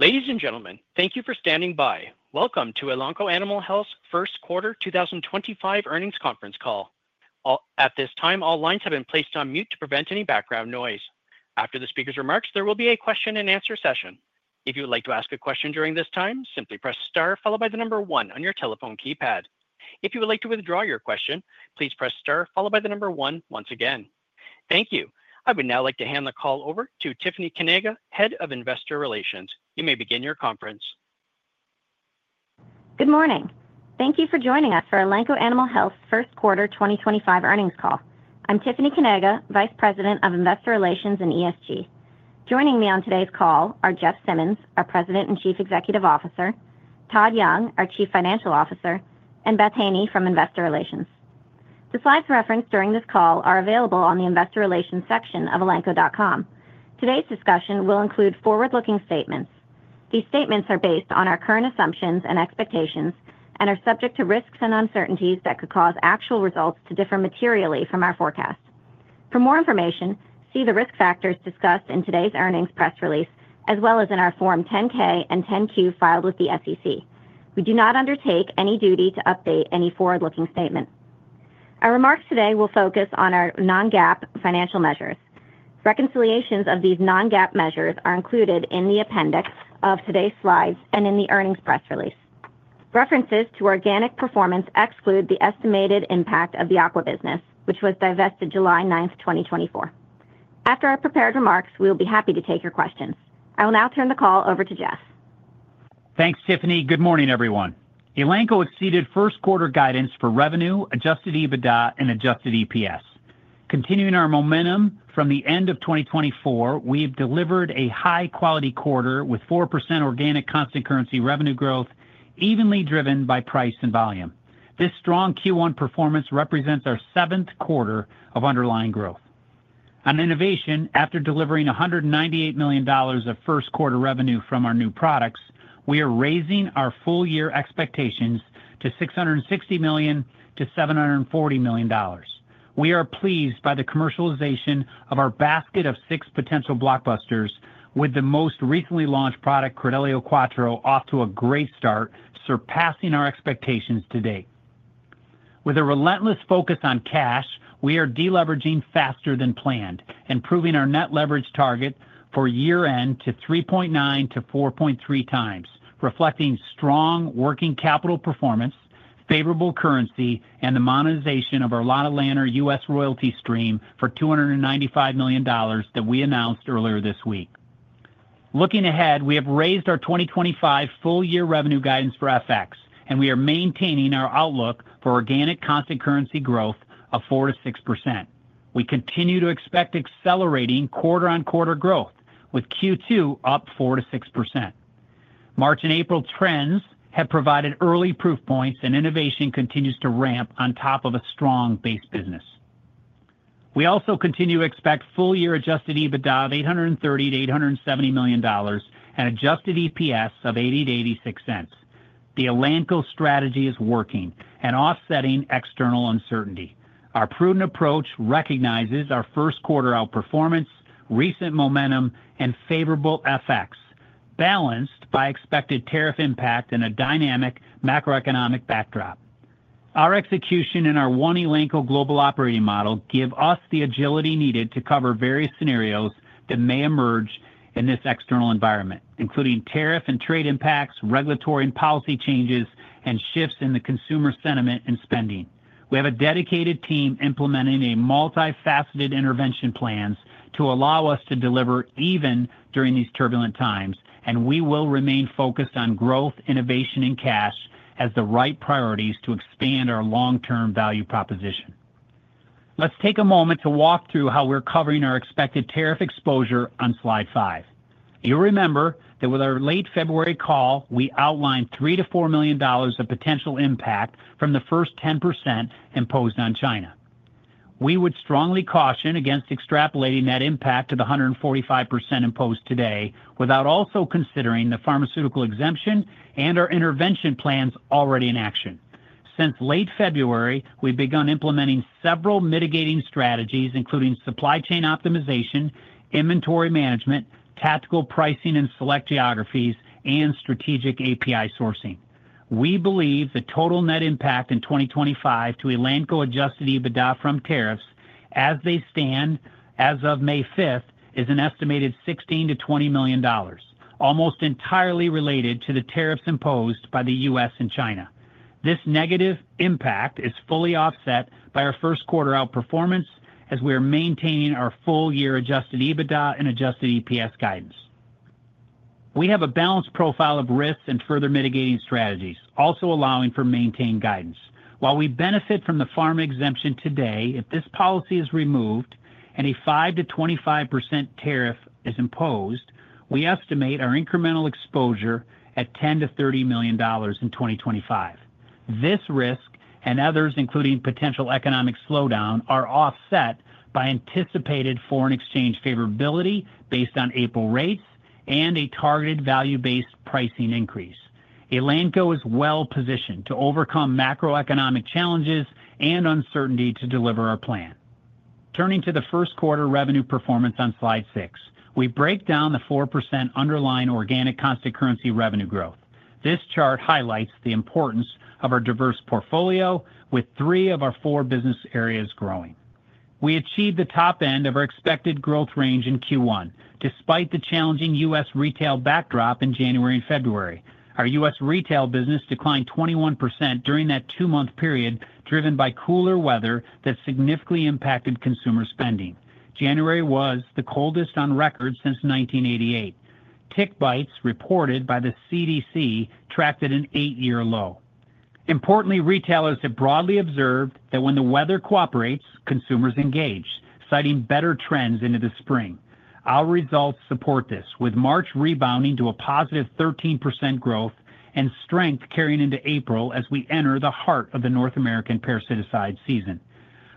Ladies and gentlemen, thank you for standing by. Welcome to Elanco Animal Health's First Quarter 2025 Earnings Conference Call. At this time, all lines have been placed on mute to prevent any background noise. After the speaker's remarks, there will be a question-and-answer session. If you would like to ask a question during this time, simply press star followed by the number one on your telephone keypad. If you would like to withdraw your question, please press star followed by the number one once again. Thank you. I would now like to hand the call over to Tiffany Kanaga, Head of Investor Relations. You may begin your conference. Good morning. Thank you for joining us for Elanco Animal Health's First Quarter 2025 Earnings all. I'm Tiffany Kanaga, Vice President of Investor Relations in ESG. Joining me on today's call are Jeff Simmons, our President and Chief Executive Officer; Todd Young, our Chief Financial Officer; and Beth Haney from Investor Relations. The slides referenced during this call are available on the Investor Relations section of elanco.com. Today's discussion will include forward-looking statements. These statements are based on our current assumptions and expectations and are subject to risks and uncertainties that could cause actual results to differ materially from our forecast. For more information, see the risk factors discussed in today's earnings press release, as well as in our Form 10-K and 10-Q filed with the SEC. We do not undertake any duty to update any forward-looking statement. Our remarks today will focus on our non-GAAP financial measures. Reconciliations of these non-GAAP measures are included in the appendix of today's slides and in the earnings press release. References to organic performance exclude the estimated impact of the aqua business, which was divested July 9th, 2024. After our prepared remarks, we will be happy to take your questions. I will now turn the call over to Jeff. Thanks, Tiffany. Good morning, everyone. Elanco exceeded first quarter guidance for revenue, adjusted EBITDA, and adjusted EPS. Continuing our momentum from the end of 2023, we have delivered a high-quality quarter with 4% organic constant currency revenue growth, evenly driven by price and volume. This strong Q1 performance represents our seventh quarter of underlying growth. On innovation, after delivering $198 million of first quarter revenue from our new products, we are raising our full-year expectations to $660 million to $740 million. We are pleased by the commercialization of our basket of six potential blockbusters, with the most recently launched product, Credelio Quattro, off to a great start, surpassing our expectations to date. With a relentless focus on cash, we are deleveraging faster than planned, improving our net leverage target for year-end to 3.9x-4.3x, reflecting strong working capital performance, favorable currency, and the monetization of our lotilaner U.S. royalty stream for $295 million that we announced earlier this week. Looking ahead, we have raised our 2025 full-year revenue guidance for FX, and we are maintaining our outlook for organic constant currency growth of 4%-6%. We continue to expect accelerating quarter-on-quarter growth, with Q2 up 4% to 6%. March-April trends have provided early proof points, and innovation continues to ramp on top of a strong base business. We also continue to expect full-year adjusted EBITDA of $830 million-$870 million and adjusted EPS of $0.80-$0.86. The Elanco strategy is working and offsetting external uncertainty. Our prudent approach recognizes our first quarter outperformance, recent momentum, and favorable FX, balanced by expected tariff impact and a dynamic macroeconomic backdrop. Our execution and our one Elanco global operating model give us the agility needed to cover various scenarios that may emerge in this external environment, including tariff and trade impacts, regulatory and policy changes, and shifts in the consumer sentiment and spending. We have a dedicated team implementing multifaceted intervention plans to allow us to deliver even during these turbulentx, and we will remain focused on growth, innovation, and cash as the right priorities to expand our long-term value proposition. Let's take a moment to walk through how we're covering our expected tariff exposure on slide five. You'll remember that with our late February call, we outlined $3 million-$4 million of potential impact from the first 10% imposed on China. We would strongly caution against extrapolating that impact to the 145% imposed today without also considering the pharmaceutical exemption and our intervention plans already in action. Since late February, we've begun implementing several mitigating strategies, including supply chain optimization, inventory management, tactical pricing in select geographies, and strategic API sourcing. We believe the total net impact in 2025 to Elanco adjusted EBITDA from tariffs as they stand as of May 5th is an estimated $16 million-$20 million, almost entirely related to the tariffs imposed by the U.S. and China. This negative impact is fully offset by our first quarter outperformance as we are maintaining our full-year adjusted EBITDA and adjusted EPS guidance. We have a balanced profile of risks and further mitigating strategies, also allowing for maintained guidance. While we benefit from the pharma exemption today, if this policy is removed and a 5%-25% tariff is imposed, we estimate our incremental exposure at $10 million-$30 million in 2025. This risk and others, including potential economic slowdown, are offset by anticipated foreign exchange favorability based on April rates and a targeted value-based pricing increase. Elanco is well-positioned to overcome macroeconomic challenges and uncertainty to deliver our plan. Turning to the first quarter revenue performance on slide six, we break down the 4% underlying organic constant currency revenue growth. This chart highlights the importance of our diverse portfolio, with three of our four business areas growing. We achieved the top end of our expected growth range in Q1, despite the challenging U.S. retail backdrop in January-February. Our U.S. Retail business declined 21% during that two-month period, driven by cooler weather that significantly impacted consumer spending. January was the coldest on record since 1988. Tick bites reported by the CDC tracked at an eight-year low. Importantly, retailers have broadly observed that when the weather cooperates, consumers engage, citing better trends into the spring. Our results support this, with March rebounding to a positive 13% growth and strength carrying into April as we enter the heart of the North American parasiticide season.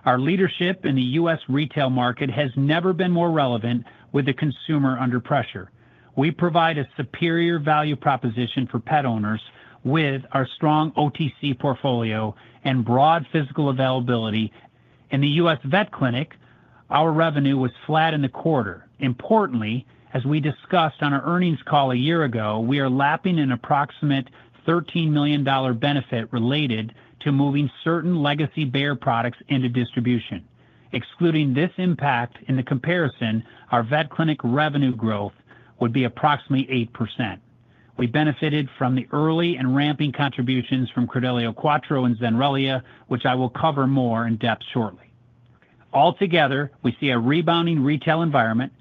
Our leadership in the U.S. retail market has never been more relevant with a consumer under pressure. We provide a superior value proposition for pet owners with our strong OTC portfolio and broad physical availability. In the U.S. vet clinic, our revenue was flat in the quarter. Importantly, as we discussed on our earnings call a year ago, we are lapping an approximate $13 million benefit related to moving certain legacy Bayer products into distribution. Excluding this impact in the comparison, our vet clinic revenue growth would be approximately 8%. We benefited from the early and ramping contributions from Credelio Quattro and Zenrelia, which I will cover more in depth shortly. Altogether, we see a rebounding retail environment,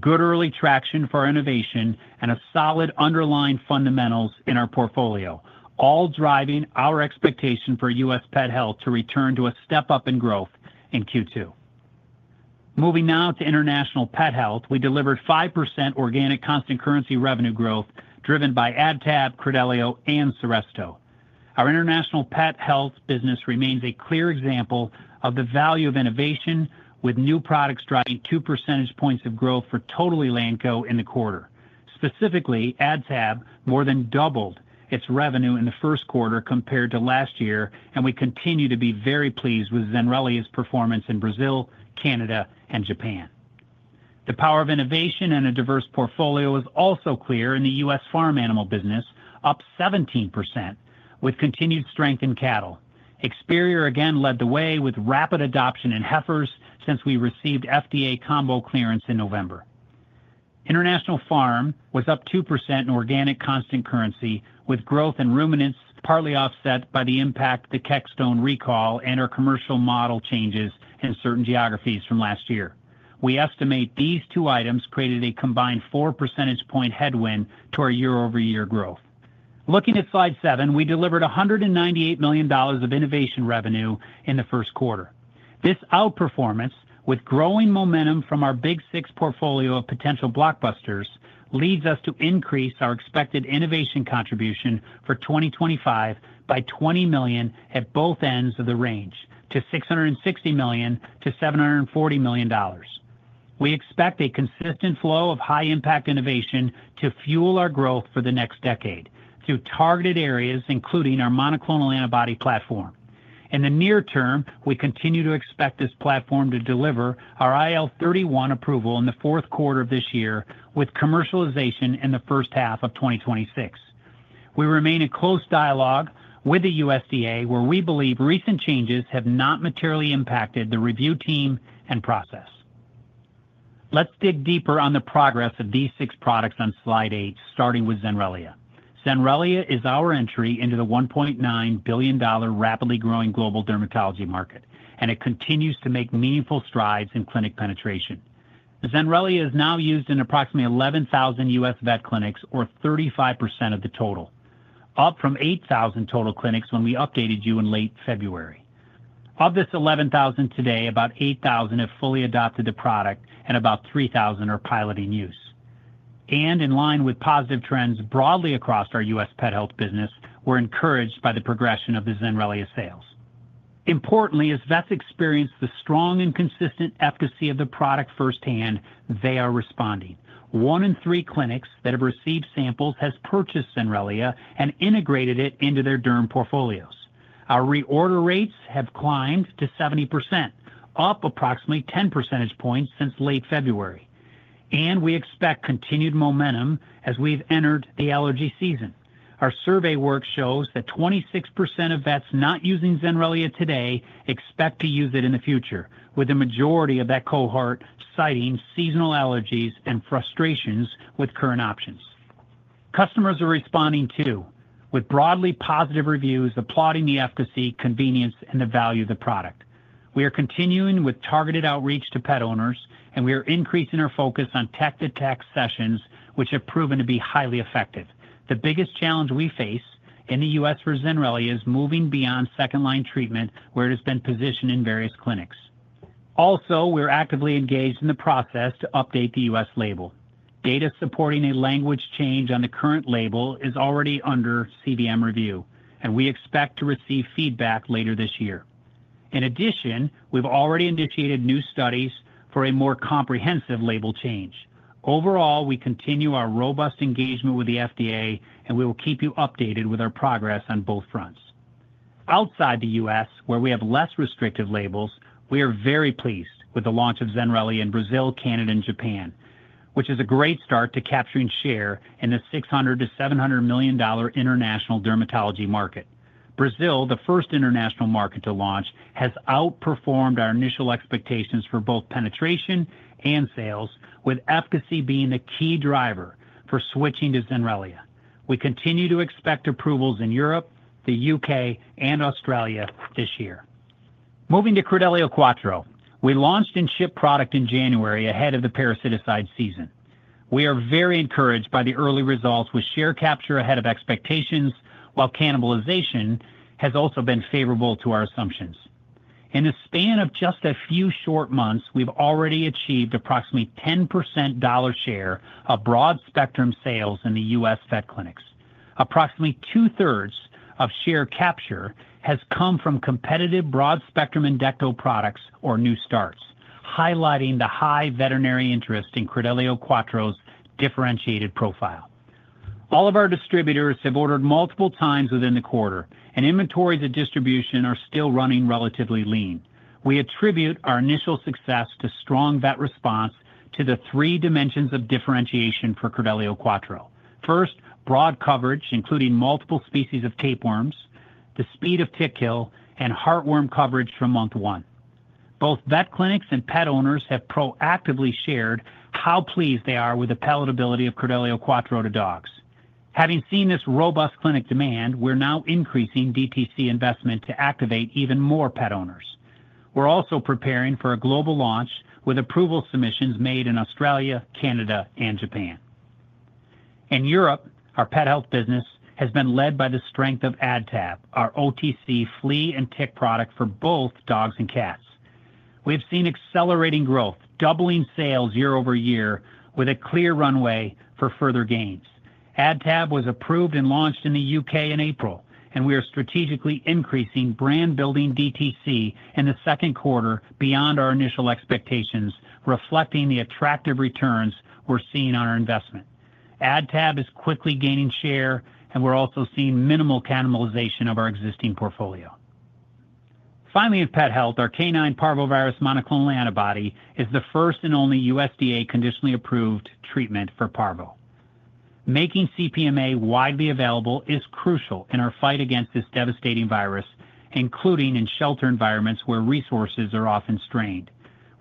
good early traction for innovation, and solid underlying fundamentals in our portfolio, all driving our expectation for U.S. pet health to return to a step up in growth in Q2. Moving now to international pet health, we delivered 5% organic constant currency revenue growth driven by AdTab, Credelio, and Seresto. Our international pet health business remains a clear example of the value of innovation, with new products driving 2 percentage points of growth for total Elanco in the quarter. Specifically, AdTab more than doubled its revenue in the first quarter compared to last year, and we continue to be very pleased with Zenrelia's performance in Brazil, Canada, and Japan. The power of innovation and a diverse portfolio is also clear in the U.S. farm animal business, up 17%, with continued strength in cattle. EXCEDE again led the way with rapid adoption in heifers since we received FDA combo clearance in November. International farm was up 2% in organic constant currency, with growth in ruminants partly offset by the impact of the Keystone recall and our commercial model changes in certain geographies from last year. We estimate these two items created a combined 4 percentage point headwind to our year-over-year growth. Looking at slide seven, we delivered $198 million of innovation revenue in the first quarter. This outperformance, with growing momentum from our big six portfolio of potential blockbusters, leads us to increase our expected innovation contribution for 2025 by $20 million at both ends of the range to $660 million-$740 million. We expect a consistent flow of high-impact innovation to fuel our growth for the next decade through targeted areas, including our monoclonal antibody platform. In the near term, we continue to expect this platform to deliver our IL-31 approval in the fourth quarter of this year, with commercialization in the first half of 2026. We remain in close dialogue with the USDA, where we believe recent changes have not materially impacted the review team and process. Let's dig deeper on the progress of these six products on slide eight, starting with Zenrelia. Zenrelia is our entry into the $1.9 billion rapidly growing global dermatology market, and it continues to make meaningful strides in clinic penetration. Zenrelia is now used in approximately 11,000 U.S. vet clinics, or 35% of the total, up from 8,000 total clinics when we updated you in late February. Of this 11,000 today, about 8,000 have fully adopted the product, and about 3,000 are piloting use. In line with positive trends broadly across our U.S. pet health business, we're encouraged by the progression of the Zenrelia sales. Importantly, as vets experience the strong and consistent efficacy of the product firsthand, they are responding. One in three clinics that have received samples has purchased Zenrelia and integrated it into their derm portfolios. Our reorder rates have climbed to 70%, up approximately 10 percentage points since late February. We expect continued momentum as we've entered the allergy season. Our survey work shows that 26% of vets not using Zenrelia today expect to use it in the future, with the majority of that cohort citing seasonal allergies and frustrations with current options. Customers are responding too, with broadly positive reviews applauding the efficacy, convenience, and the value of the product. We are continuing with targeted outreach to pet owners, and we are increasing our focus on tech-to-tech sessions, which have proven to be highly effective. The biggest challenge we face in the U.S. for Zenrelia is moving beyond second-line treatment, where it has been positioned in various clinics. Also, we're actively engaged in the process to update the U.S. label. Data supporting a language change on the current label is already under CVM review, and we expect to receive feedback later this year. In addition, we've already initiated new studies for a more comprehensive label change. Overall, we continue our robust engagement with the FDA, and we will keep you updated with our progress on both fronts. Outside the U.S., where we have less restrictive labels, we are very pleased with the launch of Zenrelia in Brazil, Canada, and Japan, which is a great start to capturing share in the $600 million-$700 million international dermatology market. Brazil, the first international market to launch, has outperformed our initial expectations for both penetration and sales, with efficacy being the key driver for switching to Zenrelia. We continue to expect approvals in Europe, the U.K., and Australia this year. Moving to Credelio Quattro, we launched and shipped product in January ahead of the parasiticide season. We are very encouraged by the early results, with share capture ahead of expectations, while cannibalization has also been favorable to our assumptions. In the span of just a few short months, we've already achieved approximately 10% dollar share of broad spectrum sales in the U.S. vet clinics. Approximately 2/3 of share capture has come from competitive broad spectrum Endecto products or new starts, highlighting the high veterinary interest in Credelio Quattro's differentiated profile. All of our distributors have ordered multiple times within the quarter, and inventories at distribution are still running relatively lean. We attribute our initial success to strong vet response to the three dimensions of differentiation for Credelio Quattro. First, broad coverage, including multiple species of tapeworms, the speed of tick kill, and heartworm coverage from month one. Both vet clinics and pet owners have proactively shared how pleased they are with the palatability of Credelio Quattro to dogs. Having seen this robust clinic demand, we're now increasing DTC investment to activate even more pet owners. We're also preparing for a global launch with approval submissions made in Australia, Canada, and Japan. In Europe, our pet health business has been led by the strength of AdTab, our OTC flea and tick product for both dogs and cats. We've seen accelerating growth, doubling sales year-over-year with a clear runway for further gains. AdTab was approved and launched in the U.K. in April, and we are strategically increasing brand-building DTC in the second quarter beyond our initial expectations, reflecting the attractive returns we're seeing on our investment. AdTab is quickly gaining share, and we're also seeing minimal cannibalization of our existing portfolio. Finally, in pet health, our canine Parvovirus monoclonal antibody is the first and only USDA conditionally approved treatment for Parvo. Making CPMA widely available is crucial in our fight against this devastating virus, including in shelter environments where resources are often strained.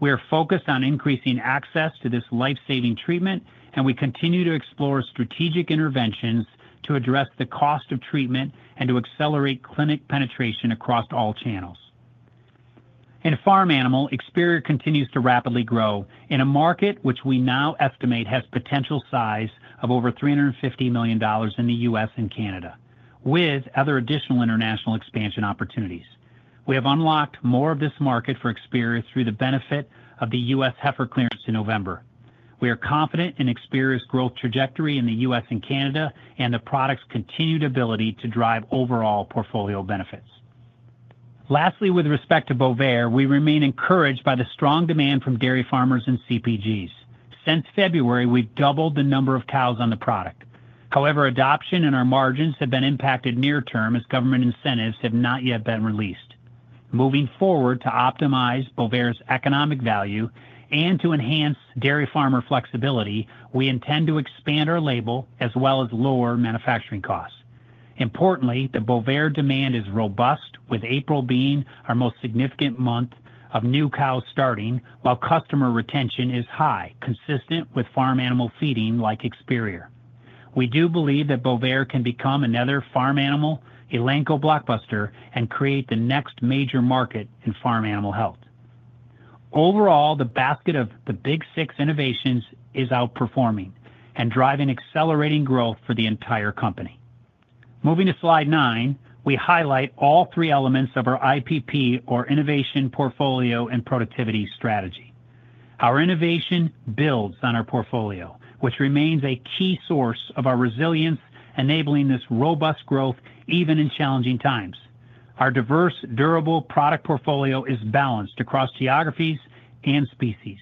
We are focused on increasing access to this life-saving treatment, and we continue to explore strategic interventions to address the cost of treatment and to accelerate clinic penetration across all channels. In farm animal, EXCEDE continues to rapidly grow in a market which we now estimate has potential size of over $350 million in the U.S. and Canada, with other additional international expansion opportunities. We have unlocked more of this market for EXCEDE through the benefit of the U.S. heifer clearance in November. We are confident in EXCEDE's growth trajectory in the U.S. and Canada and the product's continued ability to drive overall portfolio benefits. Lastly, with respect to Bovaer, we remain encouraged by the strong demand from dairy farmers and CPGs. Since February, we've doubled the number of cows on the product. However, adoption and our margins have been impacted near-term as government incentives have not yet been released. Moving forward to optimize Bovaer's economic value and to enhance dairy farmer flexibility, we intend to expand our label as well as lower manufacturing costs. Importantly, the Bovaer demand is robust, with April being our most significant month of new cows starting, while customer retention is high, consistent with farm animal feeding like Experior. We do believe that Bovaer can become another farm animal Elanco blockbuster, and create the next major market in farm animal health. Overall, the basket of the big six innovations is outperforming and driving accelerating growth for the entire company. Moving to slide nine, we highlight all three elements of our IPP, or innovation, portfolio, and productivity strategy. Our innovation builds on our portfolio, which remains a key source of our resilience, enabling this robust growth even in challenging times. Our diverse, durable product portfolio is balanced across geographies and species.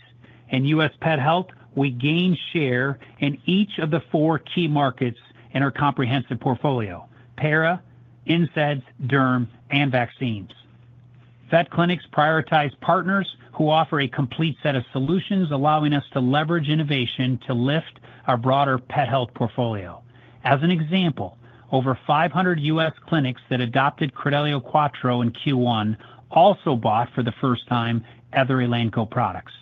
In U.S. Pet health, we gain share in each of the four key markets in our comprehensive portfolio: para, insects, derm, and vaccines. Vet clinics prioritize partners who offer a complete set of solutions, allowing us to leverage innovation to lift our broader pet health portfolio. As an example, over 500 U.S. clinics that adopted Credelio Quattro in Q1 also bought for the first time other Elanco products.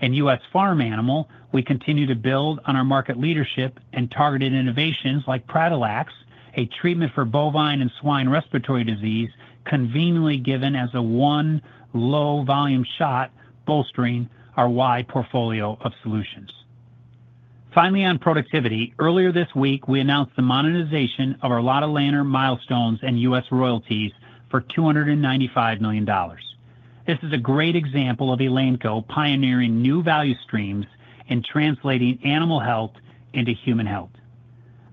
In U.S. farm animal, we continue to build on our market leadership and targeted innovations like Pradalex, a treatment for bovine and swine respiratory disease, conveniently given as one low-volume shot, bolstering our wide portfolio of solutions. Finally, on productivity, earlier this week, we announced the monetization of our lotilaner milestones and U.S. royalties for $295 million. This is a great example of Elanco pioneering new value streams and translating animal health into human health.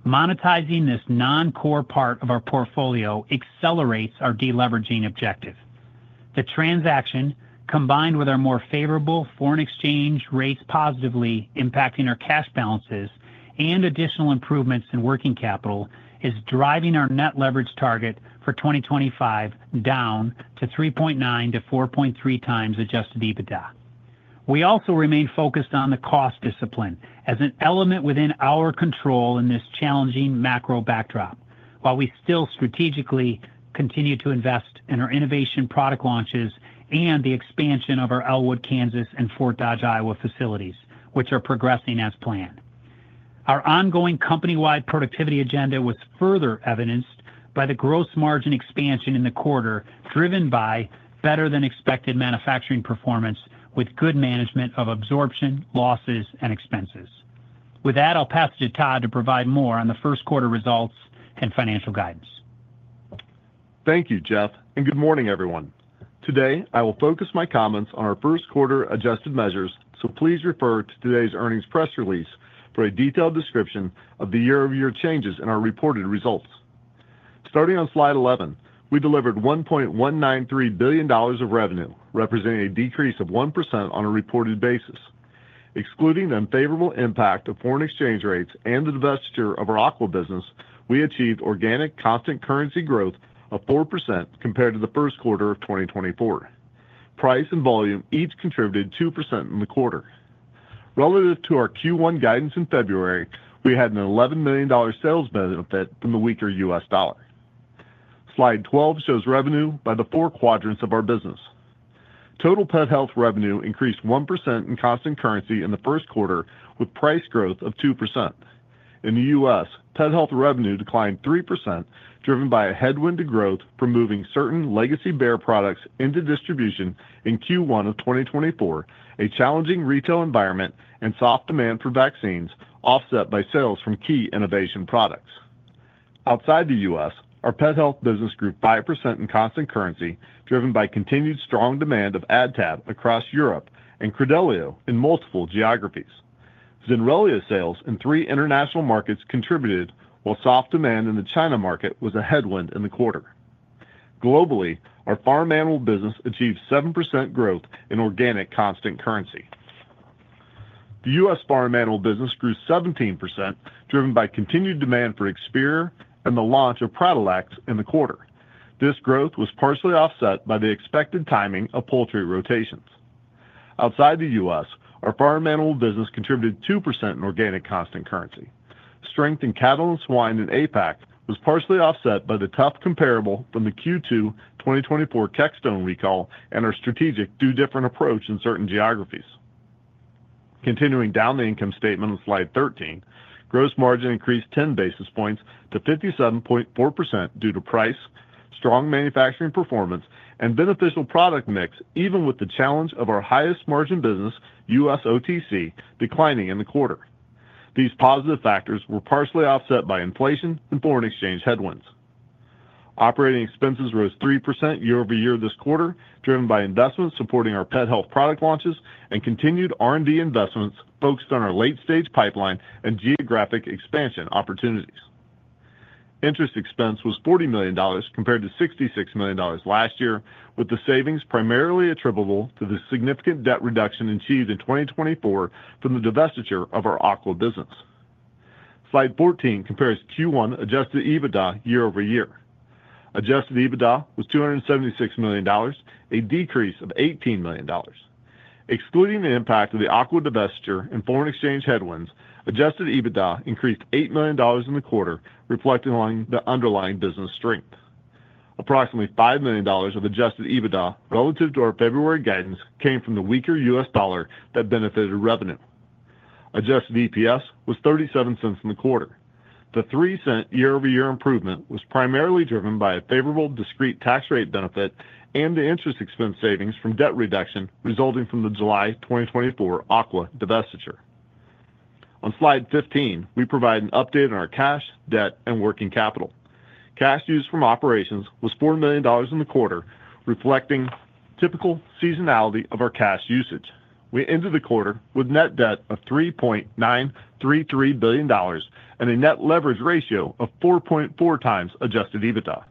Monetizing this non-core part of our portfolio accelerates our deleveraging objective. The transaction, combined with our more favorable foreign exchange rates positively impacting our cash balances and additional improvements in working capital, is driving our net leverage target for 2025 down to 3.9x-4.3x adjusted EBITDA. We also remain focused on the cost discipline as an element within our control in this challenging macro backdrop, while we still strategically continue to invest in our innovation product launches and the expansion of our Elwood, Kansas, and Fort Dodge, Iowa facilities, which are progressing as planned. Our ongoing company-wide productivity agenda was further evidenced by the gross margin expansion in the quarter, driven by better-than-expected manufacturing performance with good management of absorption, losses, and expenses. With that, I'll pass it to Todd to provide more on the first quarter results and financial guidance. Thank you, Jeff, and good morning, everyone. Today, I will focus my comments on our first quarter adjusted measures, so please refer to today's earnings press release for a detailed description of the year-over-year changes in our reported results. Starting on slide 11, we delivered $1.193 billion of revenue, representing a decrease of 1% on a reported basis. Excluding the unfavorable impact of foreign exchange rates and the divestiture of our aqua business, we achieved organic constant currency growth of 4% compared to the first quarter of 2024. Price and volume each contributed 2% in the quarter. Relative to our Q1 guidance in February, we had an $11 million sales benefit from the weaker U.S. dollar. Slide 12 shows revenue by the four quadrants of our business. Total pet health revenue increased 1% in constant currency in the first quarter, with price growth of 2%. In the U.S., pet health revenue declined 3%, driven by a headwind to growth from moving certain legacy Bayer products into distribution in Q1 of 2024, a challenging retail environment, and soft demand for vaccines offset by sales from key innovation products. Outside the U.S., our pet health business grew 5% in constant currency, driven by continued strong demand of AdTab across Europe and Credelio in multiple geographies. Zenrelia sales in three international markets contributed, while soft demand in the China market was a headwind in the quarter. Globally, our farm animal business achieved 7% growth in organic constant currency. The U.S. farm animal business grew 17%, driven by continued demand for EXCEDE and the launch of Pradalex in the quarter. This growth was partially offset by the expected timing of poultry rotations. Outside the U.S., our farm animal business contributed 2% in organic constant currency. Strength in cattle and swine in APAC was partially offset by the tough comparable from the Q2 2024 Keystone recall and our strategic do-different approach in certain geographies. Continuing down the income statement on slide 13, gross margin increased 10 basis points to 57.4% due to price, strong manufacturing performance, and beneficial product mix, even with the challenge of our highest margin business, U.S. OTC, declining in the quarter. These positive factors were partially offset by inflation and foreign exchange headwinds. Operating expenses rose 3% year-over-year this quarter, driven by investments supporting our pet health product launches and continued R&D investments focused on our late-stage pipeline and geographic expansion opportunities. Interest expense was $40 million compared to $66 million last year, with the savings primarily attributable to the significant debt reduction achieved in 2024 from the divestiture of our aqua business. Slide 14 compares Q1 adjusted EBITDA year-over-year. Adjusted EBITDA was $276 million, a decrease of $18 million. Excluding the impact of the aqua divestiture and foreign exchange headwinds, adjusted EBITDA increased $8 million in the quarter, reflecting on the underlying business strength. Approximately $5 million of adjusted EBITDA relative to our February guidance came from the weaker U.S. dollar that benefited revenue. Adjusted EPS was $0.37 in the quarter. The $0.03 year-over-year improvement was primarily driven by a favorable discrete tax rate benefit and the interest expense savings from debt reduction resulting from the July 2024 aqua divestiture. On slide 15, we provide an update on our cash, debt, and working capital. Cash used from operations was $4 million in the quarter, reflecting typical seasonality of our cash usage. We ended the quarter with net debt of $3.933 billion and a net leverage ratio of 4.4x adjusted EBITDA.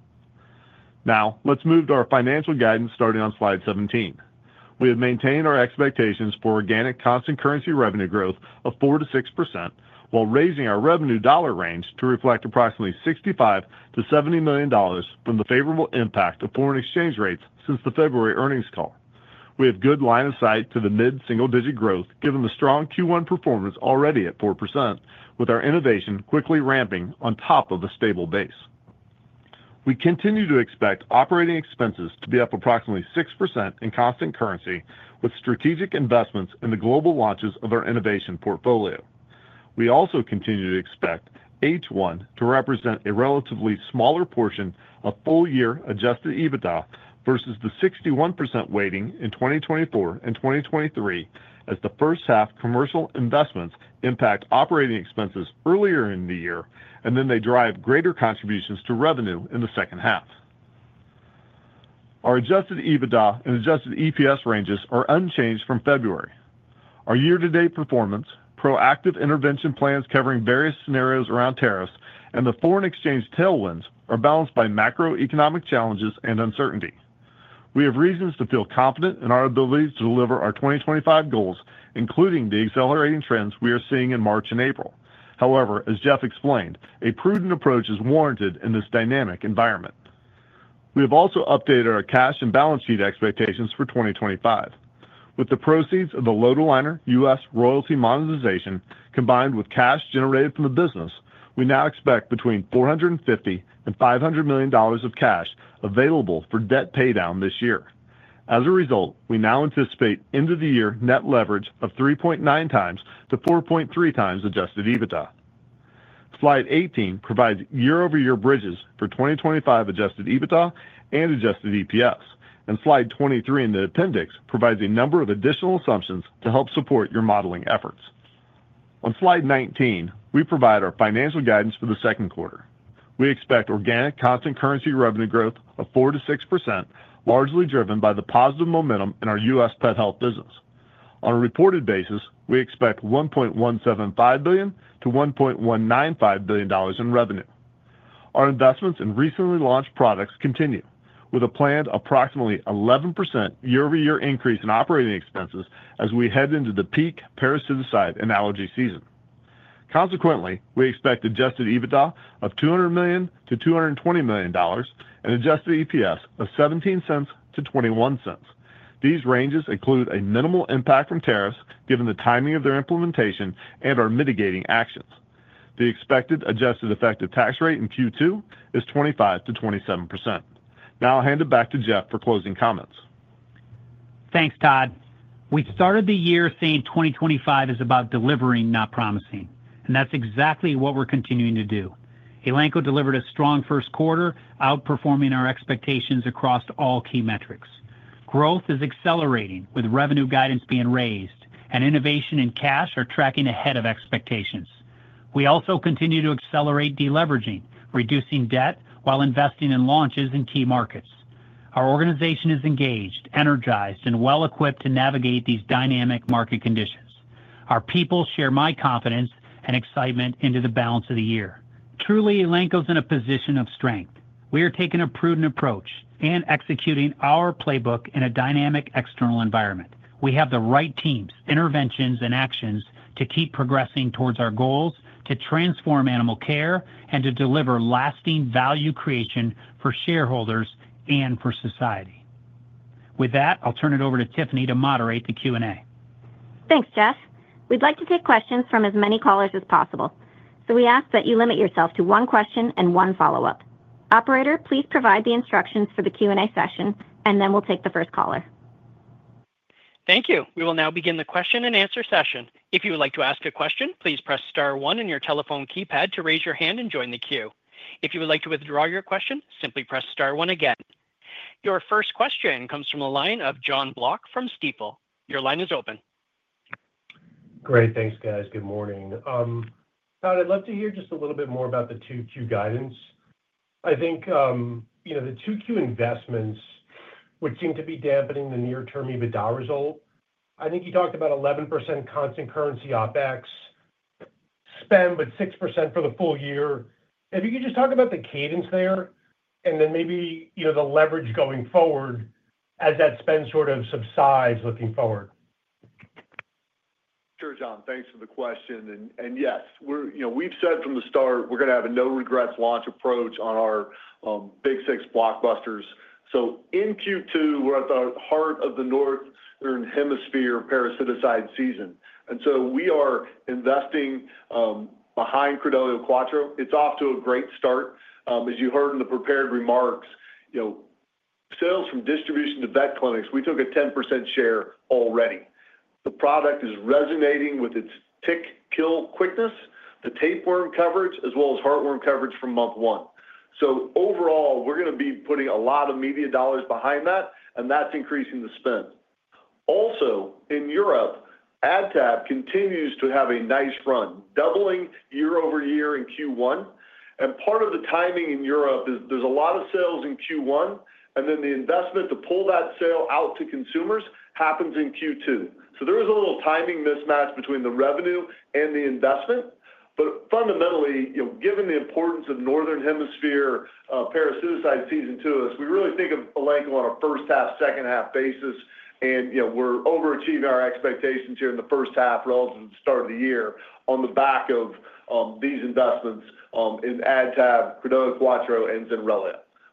Now, let's move to our financial guidance starting on slide 17. We have maintained our expectations for organic constant currency revenue growth of 4%-6%, while raising our revenue dollar range to reflect approximately $65-$70 million from the favorable impact of foreign exchange rates since the February earnings call. We have good line of sight to the mid-single-digit growth, given the strong Q1 performance already at 4%, with our innovation quickly ramping on top of a stable base. We continue to expect operating expenses to be up approximately 6% in constant currency, with strategic investments in the global launches of our innovation portfolio. We also continue to expect H1 to represent a relatively smaller portion of full-year adjusted EBITDA versus the 61% weighting in 2024-2023, as the first half commercial investments impact operating expenses earlier in the year, and then they drive greater contributions to revenue in the second half. Our adjusted EBITDA and adjusted EPS ranges are unchanged from February. Our year-to-date performance, proactive intervention plans covering various scenarios around tariffs, and the foreign exchange tailwinds are balanced by macroeconomic challenges and uncertainty. We have reasons to feel confident in our ability to deliver our 2025 goals, including the accelerating trends we are seeing in March-April. However, as Jeff explained, a prudent approach is warranted in this dynamic environment. We have also updated our cash and balance sheet expectations for 2025. With the proceeds of the lotilaner U.S. Royalty monetization combined with cash generated from the business, we now expect between $450 million and $500 million of cash available for debt paydown this year. As a result, we now anticipate end-of-the-year net leverage of 3.9x-4.3x adjusted EBITDA. Slide 18 provides year-over-year bridges for 2025 adjusted EBITDA and adjusted EPS, and slide 23 in the appendix provides a number of additional assumptions to help support your modeling efforts. On slide 19, we provide our financial guidance for the second quarter. We expect organic constant currency revenue growth of 4%-6%, largely driven by the positive momentum in our U.S. pet health business. On a reported basis, we expect $1.175 billion-$1.195 billion in revenue. Our investments in recently launched products continue, with a planned approximately 11% year-over-year increase in operating expenses as we head into the peak parasiticide analogy season. Consequently, we expect adjusted EBITDA of $200 million-$220 million and adjusted EPS of $0.17-$0.21. These ranges include a minimal impact from tariffs given the timing of their implementation and our mitigating actions. The expected adjusted effective tax rate in Q2 is 25%-27%. Now I'll hand it back to Jeff for closing comments. Thanks, Todd. We started the year saying 2025 is about delivering, not promising, and that's exactly what we're continuing to do. Elanco delivered a strong first quarter, outperforming our expectations across all key metrics. Growth is accelerating with revenue guidance being raised, and innovation and cash are tracking ahead of expectations. We also continue to accelerate deleveraging, reducing debt while investing in launches in key markets. Our organization is engaged, energized, and well-equipped to navigate these dynamic market conditions. Our people share my confidence and excitement into the balance of the year. Truly, Elanco's in a position of strength. We are taking a prudent approach and executing our playbook in a dynamic external environment. We have the right teams, interventions, and actions to keep progressing towards our goals, to transform animal care, and to deliver lasting value creation for shareholders and for society. With that, I'll turn it over to Tiffany to moderate the Q&A. Thanks, Jeff. We'd like to take questions from as many callers as possible, so we ask that you limit yourself to one question and one follow-up. Operator, please provide the instructions for the Q&A session, and then we'll take the first caller. Thank you. We will now begin the question-and-answer session. If you would like to ask a question, please press star one in your telephone keypad to raise your hand and join the queue. If you would like to withdraw your question, simply press star one again. Your first question comes from a line of Jon Block from Stifel. Your line is open. Great. Thanks, guys. Good morning. Todd, I'd love to hear just a little bit more about the 2Q guidance. I think the 2Q investments would seem to be dampening the near-term EBITDA result. I think you talked about 11% constant currency OpEx spend, but 6% for the full year. If you could just talk about the cadence there and then maybe the leverage going forward as that spend sort of subsides looking forward. Sure, Jon. Thanks for the question. Yes, we've said from the start we're going to have a no-regrets launch approach on our big six blockbusters. In Q2, we're at the heart of the northern hemisphere parasiticide season. We are investing behind Credelio Quattro. It's off to a great start. As you heard in the prepared remarks, sales from distribution to vet clinics, we took a 10% share already. The product is resonating with its tick-kill quickness, the tapeworm coverage, as well as heartworm coverage from month one. Overall, we're going to be putting a lot of media dollars behind that, and that's increasing the spend. Also, in Europe, AdTab continues to have a nice run, doubling year-over-year in Q1. Part of the timing in Europe is there's a lot of sales in Q1, and then the investment to pull that sale out to consumers happens in Q2. There is a little timing mismatch between the revenue and the investment. Fundamentally, given the importance of northern hemisphere parasiticide season to us, we really think of Elanco on a first-half, second-half basis, and we're overachieving our expectations here in the first half relative to the start of the year on the back of these investments in AdTab, Credelio Quattro, and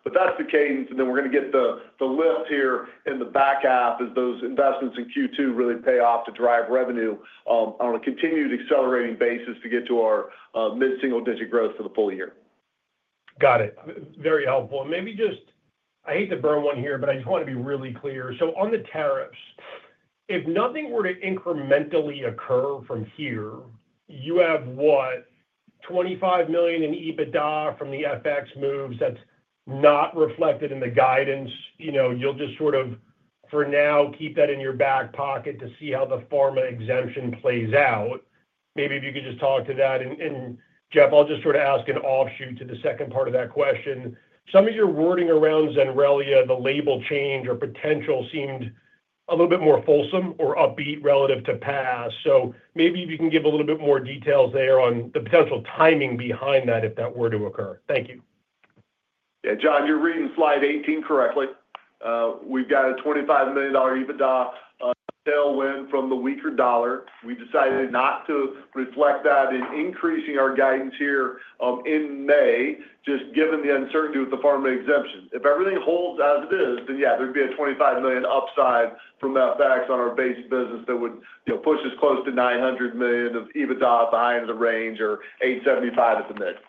Zenrelia. That's the cadence, and we're going to get the lift here in the back half as those investments in Q2 really pay off to drive revenue on a continued accelerating basis to get to our mid-single-digit growth for the full year. Got it. Very helpful. Maybe just, I hate to burn one here, but I just want to be really clear. On the tariffs, if nothing were to incrementally occur from here, you have what, $25 million in EBITDA from the FX moves that's not reflected in the guidance. You'll just sort of, for now, keep that in your back pocket to see how the pharma exemption plays out. Maybe if you could just talk to that. Jeff, I'll just sort of ask an offshoot to the second part of that question. Some of your wording around Zenrelia, the label change or potential, seemed a little bit more fulsome or upbeat relative to past. Maybe if you can give a little bit more details there on the potential timing behind that if that were to occur. Thank you. Yeah, John, you're reading slide 18 correctly. We've got a $25 million EBITDA tailwind from the weaker dollar. We decided not to reflect that in increasing our guidance here in May, just given the uncertainty with the pharma exemption. If everything holds as it is, then yeah, there'd be a $25 million upside from FX on our base business that would push us close to $900 million of EBITDA behind the range or $875 at the mix.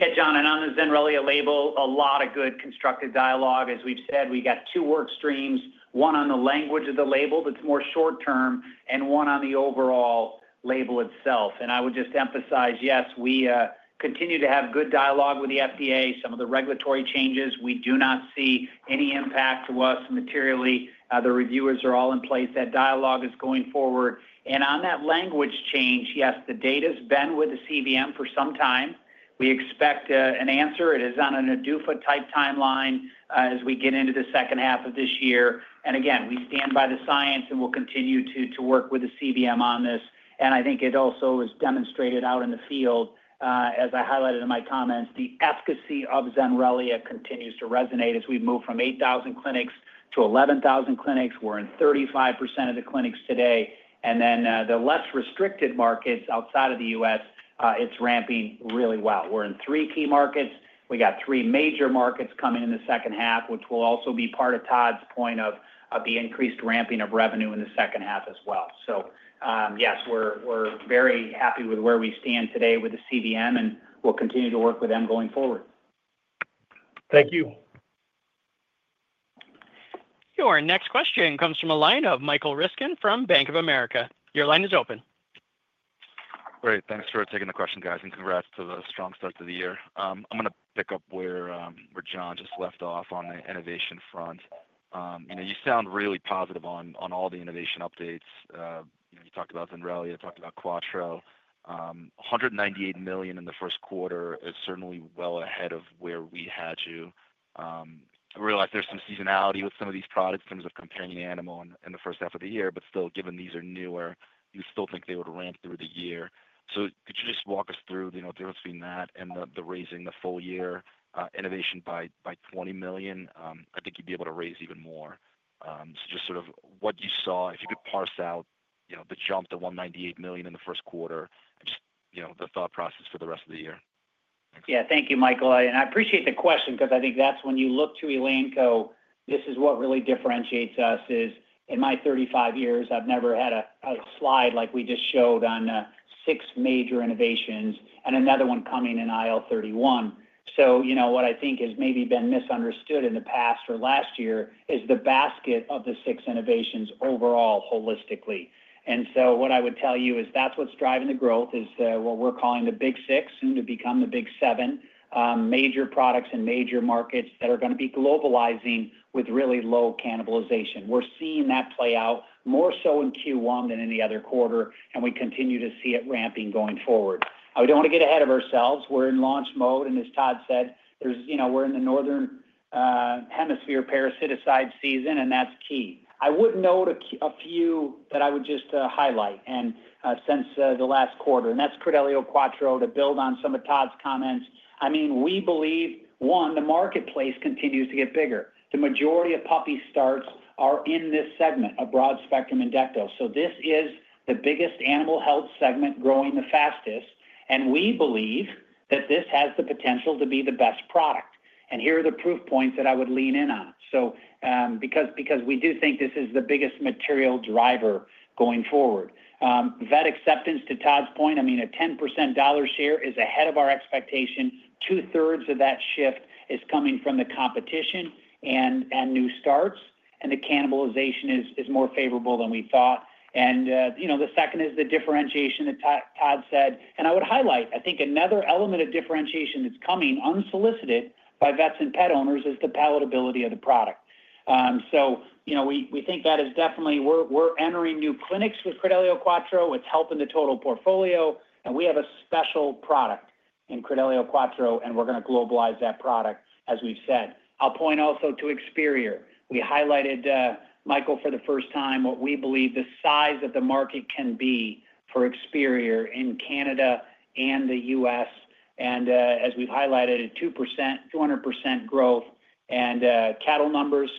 Yeah, John, and on the Zenrelia label, a lot of good constructive dialogue. As we've said, we got two work streams, one on the language of the label that's more short-term and one on the overall label itself. I would just emphasize, yes, we continue to have good dialogue with the FDA. Some of the regulatory changes, we do not see any impact to us materially. The reviewers are all in place. That dialogue is going forward. On that language change, yes, the data's been with the CVM for some time. We expect an answer. It is on an ADUFA-type timeline as we get into the second half of this year. Again, we stand by the science, and we'll continue to work with the CVM on this. I think it also is demonstrated out in the field, as I highlighted in my comments, the efficacy of Zenrelia continues to resonate as we move from 8,000 clinics to 11,000 clinics. We're in 35% of the clinics today. In the less restricted markets outside of the U.S., it's ramping really well. We're in three key markets. We got three major markets coming in the second half, which will also be part of Todd's point of the increased ramping of revenue in the second half as well. Yes, we're very happy with where we stand today with the CVM, and we'll continue to work with them going forward. Thank you. Your next questions comes from the line of Micheal Ruskin from Bank of America. Great. Thanks for taking the question, guys, and congrats to the strong start to the year. I'm going to pick up where John just left off on the innovation front. You sound really positive on all the innovation updates. You talked about Zenrelia, talked about Quattro. $198 million in the first quarter is certainly well ahead of where we had you. I realize there's some seasonality with some of these products in terms of comparing the animal in the first half of the year, but still, given these are newer, you still think they would ramp through the year. Could you just walk us through the difference between that and the raising the full year innovation by $20 million? I think you'd be able to raise even more. Just sort of what you saw, if you could parse out the jump to $198 million in the first quarter and just the thought process for the rest of the year. Yeah, thank you, Michael. I appreciate the question because I think that's when you look to Elanco, this is what really differentiates us, is in my 35 years, I've never had a slide like we just showed on six major innovations and another one coming in IL-31. What I think has maybe been misunderstood in the past or last year is the basket of the six innovations overall, holistically. What I would tell you is that's what's driving the growth, is what we're calling the big six, soon to become the big seven, major products and major markets that are going to be globalizing with really low cannibalization. We're seeing that play out more so in Q1 than any other quarter, and we continue to see it ramping going forward. I don't want to get ahead of ourselves. We're in launch mode, and as Todd said, we're in the northern hemisphere parasiticide season, and that's key. I would note a few that I would just highlight since the last quarter, and that's Credelio Quattro, to build on some of Todd's comments. I mean, we believe, one, the marketplace continues to get bigger. The majority of puppy starts are in this segment of broad spectrum Endecto. This is the biggest animal health segment growing the fastest, and we believe that this has the potential to be the best product. Here are the proof points that I would lean in on because we do think this is the biggest material driver going forward. That acceptance to Todd's point, I mean, a $10 share is ahead of our expectation. Two-thirds of that shift is coming from the competition and new starts, and the cannibalization is more favorable than we thought. The second is the differentiation that Todd said. I would highlight, I think another element of differentiation that's coming unsolicited by vets and pet owners is the palatability of the product. We think that is definitely we're entering new clinics with Credelio Quattro. It's helping the total portfolio, and we have a special product in Credelio Quattro, and we're going to globalize that product, as we've said. I'll point also to Experior. We highlighted, Michael, for the first time what we believe the size that the market can be for Experior in Canada and the U.S. As we've highlighted, a 200% growth in cattle numbers,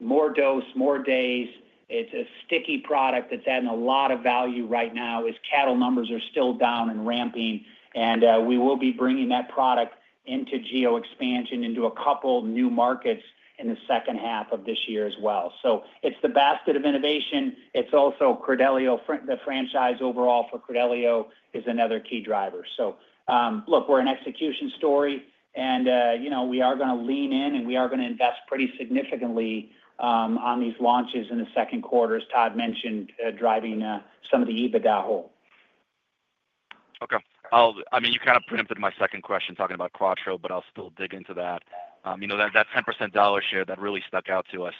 more dose, more days. It's a sticky product that's adding a lot of value right now as cattle numbers are still down and ramping. We will be bringing that product into geo-expansion, into a couple new markets in the second half of this year as well. It's the basket of innovation. It's also Credelio. The franchise overall for Credelio is another key driver. Look, we're an execution story, and we are going to lean in, and we are going to invest pretty significantly on these launches in the second quarter, as Todd mentioned, driving some of the EBITDA hole. Okay. I mean, you kind of preempted my second question talking about Quattro, but I'll still dig into that. That 10% dollar share, that really stuck out to us.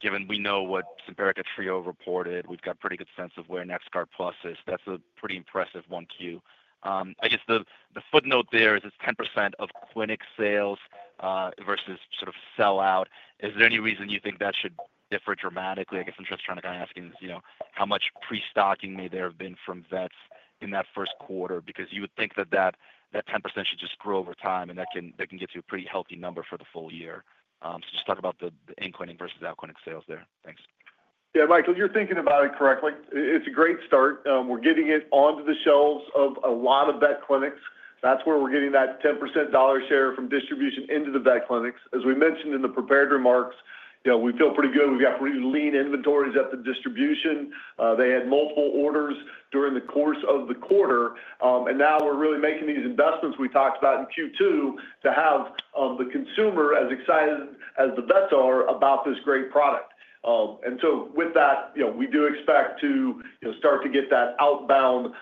Given we know what Simparica Trio reported, we've got a pretty good sense of where NexGard PLUS is. That's a pretty impressive one cue. I guess the footnote there is it's 10% of clinic sales versus sort of sell-out. Is there any reason you think that should differ dramatically? I guess I'm just trying to kind of ask how much pre-stocking may there have been from vets in that first quarter because you would think that that 10% should just grow over time, and that can get to a pretty healthy number for the full year. Just talk about the in-clinic versus out-clinic sales there. Thanks. Yeah, Michael, you're thinking about it correctly. It's a great start. We're getting it onto the shelves of a lot of vet clinics. That's where we're getting that 10% dollar share from distribution into the vet clinics. As we mentioned in the prepared remarks, we feel pretty good. We've got pretty lean inventories at the distribution. They had multiple orders during the course of the quarter, and now we're really making these investments we talked about in Q2 to have the consumer as excited as the vets are about this great product. With that, we do expect to start to get that outbound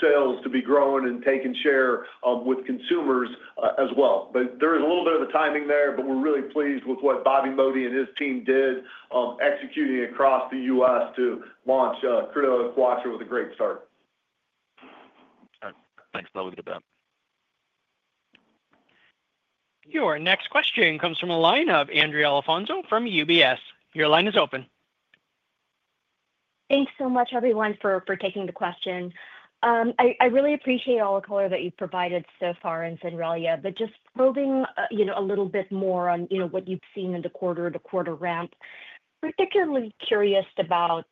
sales to be growing and taking share with consumers as well. There is a little bit of the timing there, but we're really pleased with what Bobby Modi and his team did executing across the U.S. to launch Credelio Quattro with a great start. Thanks. I'll leave it at that. Your next question comes from a line of Andrea Alfonso from UBS. Your line is open. Thanks so much, everyone, for taking the question. I really appreciate all the color that you've provided so far in Zenrelia, but just probing a little bit more on what you've seen in the quarter-to-quarter ramp. Particularly curious about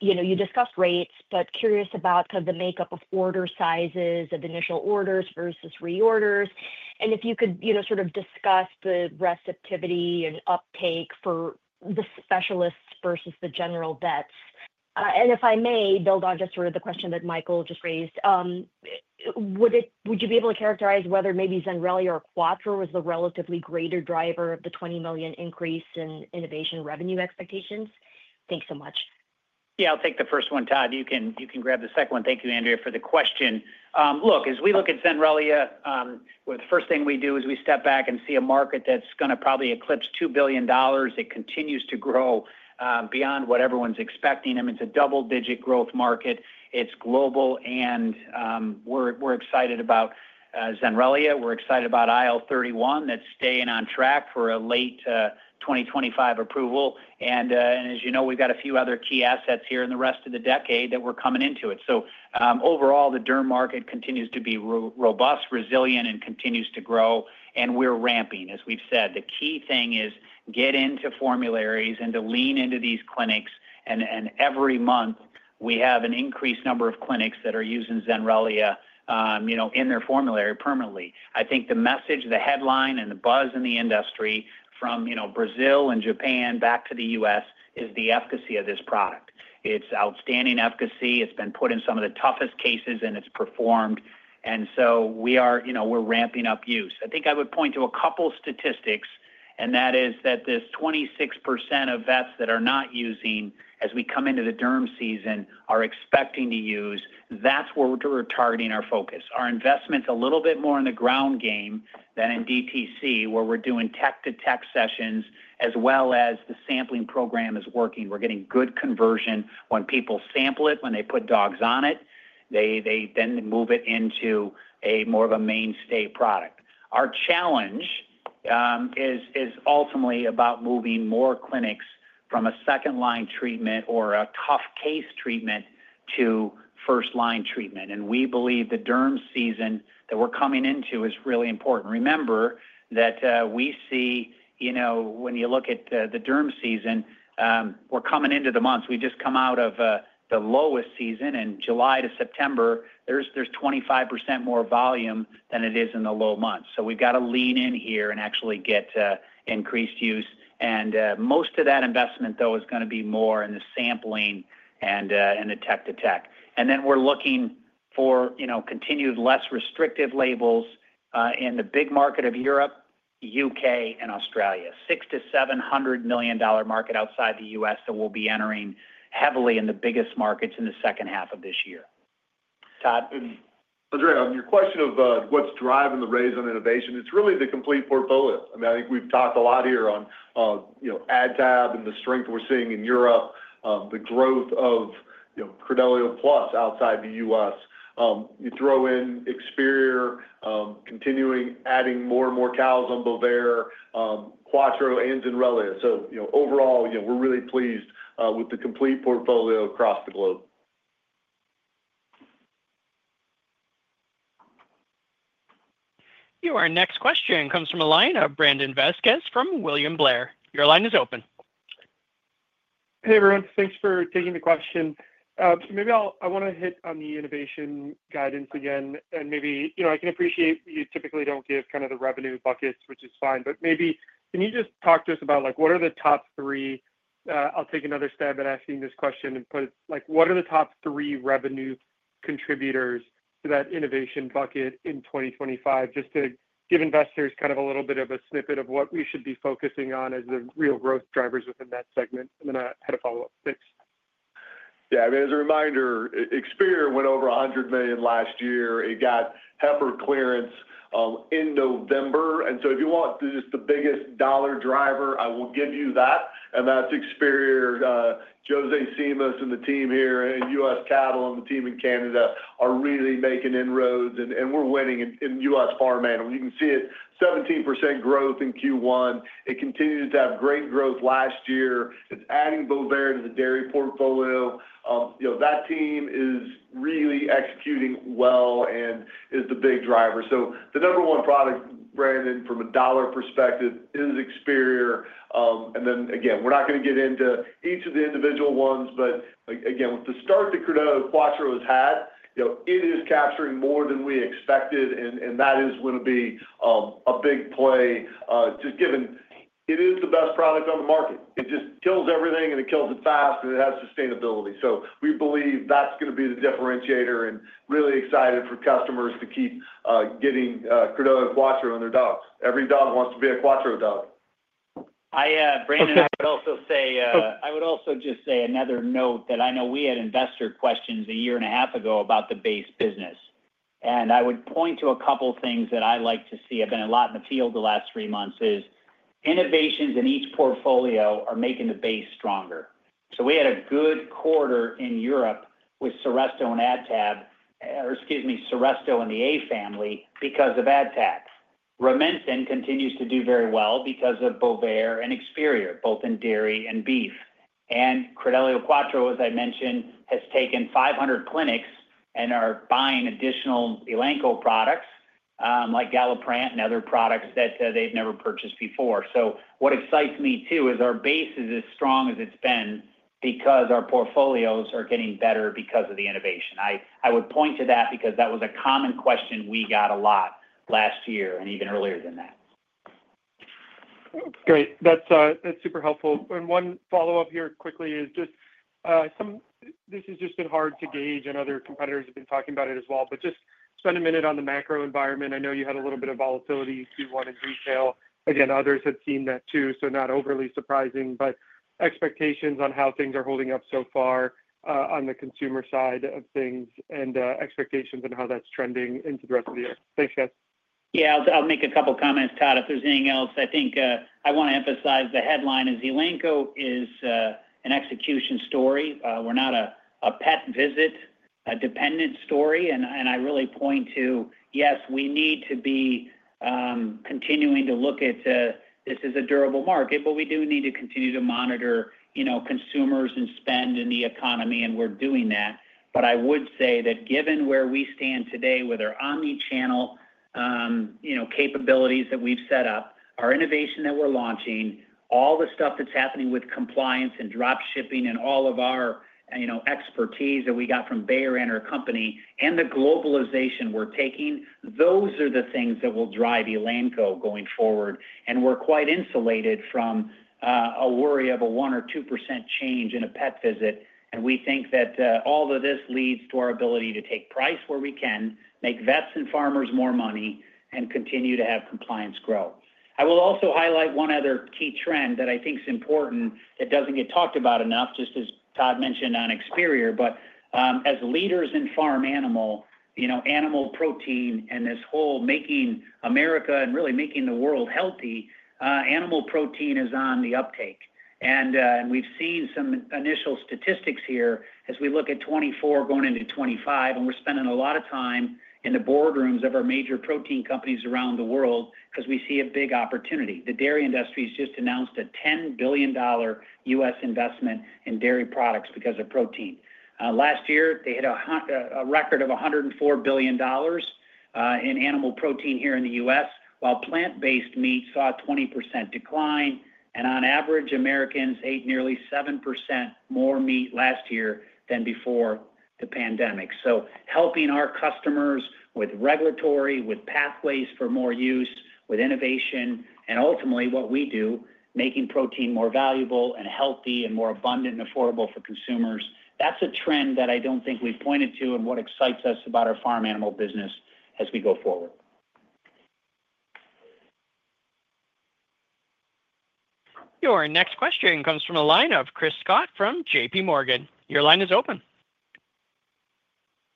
you discussed rates, but curious about kind of the makeup of order sizes of initial orders versus reorders. If you could sort of discuss the receptivity and uptake for the specialists versus the general vets. If I may build on just sort of the question that Michael just raised, would you be able to characterize whether maybe Zenrelia or Quattro was the relatively greater driver of the $20 million increase in innovation revenue expectations? Thanks so much. Yeah, I'll take the first one, Todd. You can grab the second one. Thank you, Andrea, for the question. Look, as we look at Zenrelia, the first thing we do is we step back and see a market that's going to probably eclipse $2 billion. It continues to grow beyond what everyone's expecting. I mean, it's a double-digit growth market. It's global, and we're excited about Zenrelia. We're excited about IL-31 that's staying on track for a late 2025 approval. And as you know, we've got a few other key assets here in the rest of the decade that we're coming into it. Overall, the derm market continues to be robust, resilient, and continues to grow, and we're ramping, as we've said. The key thing is get into formularies and to lean into these clinics. Every month, we have an increased number of clinics that are using Zenrelia in their formulary permanently. I think the message, the headline, and the buzz in the industry from Brazil and Japan back to the U.S. is the efficacy of this product. It's outstanding efficacy. It's been put in some of the toughest cases, and it's performed. We are ramping up use. I think I would point to a couple of statistics, and that is that this 26% of vets that are not using as we come into the derm season are expecting to use. That's where we're targeting our focus. Our investment's a little bit more in the ground game than in DTC, where we're doing tech-to-tech sessions, as well as the sampling program is working. We're getting good conversion when people sample it, when they put dogs on it. They then move it into more of a mainstay product. Our challenge is ultimately about moving more clinics from a second-line treatment or a tough-case treatment to first-line treatment. We believe the derm season that we're coming into is really important. Remember that we see when you look at the derm season, we're coming into the months. We just come out of the lowest season, and July-September, there's 25% more volume than it is in the low months. We have to lean in here and actually get increased use. Most of that investment, though, is going to be more in the sampling and the tech-to-tech. We are looking for continued less restrictive labels in the big market of Europe, U.K., and Australia. $600-$700 million market outside the U.S. that we'll be entering heavily in the biggest markets in the second half of this year. Todd? Andrea, on your question of what's driving the raise on innovation, it's really the complete portfolio. I mean, I think we've talked a lot here on AdTab and the strength we're seeing in Europe, the growth of Credelio Quattro outside the U.S. You throw in Experior, continuing adding more and more cows on Bovaer, Quattro, and Zenrelia. Overall, we're really pleased with the complete portfolio across the globe. Your next question comes from a line of Brandon Vazquez from William Blair. Your line is open. Hey, everyone. Thanks for taking the question. Maybe I want to hit on the innovation guidance again. I can appreciate you typically don't give kind of the revenue buckets, which is fine, but maybe can you just talk to us about what are the top three? I'll take another stab at asking this question and put it what are the top three revenue contributors to that innovation bucket in 2025? Just to give investors kind of a little bit of a snippet of what we should be focusing on as the real growth drivers within that segment. I had a follow-up. Thanks. Yeah. I mean, as a reminder, Experior went over $100 million last year. It got HEPP approval in November. If you want just the biggest dollar driver, I will give you that. That's Experior. José Simas and the team here and U.S. Cattle and the team in Canada are really making inroads, and we're winning in U.S. Farm Animal. You can see it's 17% growth in Q1. It continued to have great growth last year. It's adding Bovaer to the dairy portfolio. That team is really executing well and is the big driver. The number one product, Brandon, from a dollar perspective is Experior. Again, we're not going to get into each of the individual ones, but with the start that Credelio Quattro has had, it is capturing more than we expected, and that is going to be a big play just given it is the best product on the market. It just kills everything, and it kills it fast, and it has sustainability. We believe that's going to be the differentiator and really excited for customers to keep getting Credelio Quattro on their dogs. Every dog wants to be a Quattro dog. Brandon, I would also just say another note that I know we had investor questions a year and a half ago about the base business. I would point to a couple of things that I like to see. I've been a lot in the field the last three months. Innovations in each portfolio are making the base stronger. We had a good quarter in Europe with Seresto and AdTab, or excuse me, Seresto and the A family because of AdTab. Rumensin continues to do very well because of Bovaer and Experior, both in dairy and beef. Credelio Quattro, as I mentioned, has taken 500 clinics and are buying additional Elanco products like Galliprant and other products that they've never purchased before. What excites me too is our base is as strong as it's been because our portfolios are getting better because of the innovation. I would point to that because that was a common question we got a lot last year and even earlier than that. Great. That's super helpful. One follow-up here quickly is just this has just been hard to gauge, and other competitors have been talking about it as well. Just spend a minute on the macro environment. I know you had a little bit of volatility Q1 in retail. Again, others had seen that too, so not overly surprising, but expectations on how things are holding up so far on the consumer side of things and expectations on how that's trending into the rest of the year. Thanks, guys. Yeah. I'll make a couple of comments, Todd. If there's anything else, I think I want to emphasize the headline is Elanco is an execution story. We're not a pet visit, a dependent story. I really point to, yes, we need to be continuing to look at this as a durable market, but we do need to continue to monitor consumers and spend in the economy, and we're doing that. I would say that given where we stand today with our omnichannel capabilities that we've set up, our innovation that we're launching, all the stuff that's happening with compliance and dropshipping and all of our expertise that we got from Bayer Animal Health, our company, and the globalization we're taking, those are the things that will drive Elanco going forward. We're quite insulated from a worry of a 1%-2% change in a pet visit. We think that all of this leads to our ability to take price where we can, make vets and farmers more money, and continue to have compliance grow. I will also highlight one other key trend that I think is important that does not get talked about enough, just as Todd mentioned on Experior, but as leaders in farm animal, animal protein, and this whole making America and really making the world healthy, animal protein is on the uptake. We have seen some initial statistics here as we look at 2024 going into 2025, and we are spending a lot of time in the boardrooms of our major protein companies around the world because we see a big opportunity. The dairy industry has just announced a $10 billion U.S. investment in dairy products because of protein. Last year, they hit a record of $104 billion in animal protein here in the U.S., while plant-based meat saw a 20% decline. On average, Americans ate nearly 7% more meat last year than before the pandemic. Helping our customers with regulatory, with pathways for more use, with innovation, and ultimately what we do, making protein more valuable and healthy and more abundant and affordable for consumers, that is a trend that I do not think we have pointed to and what excites us about our farm animal business as we go forward. Your next question comes from a line of Chris Scott from JPMorgan. Your line is open.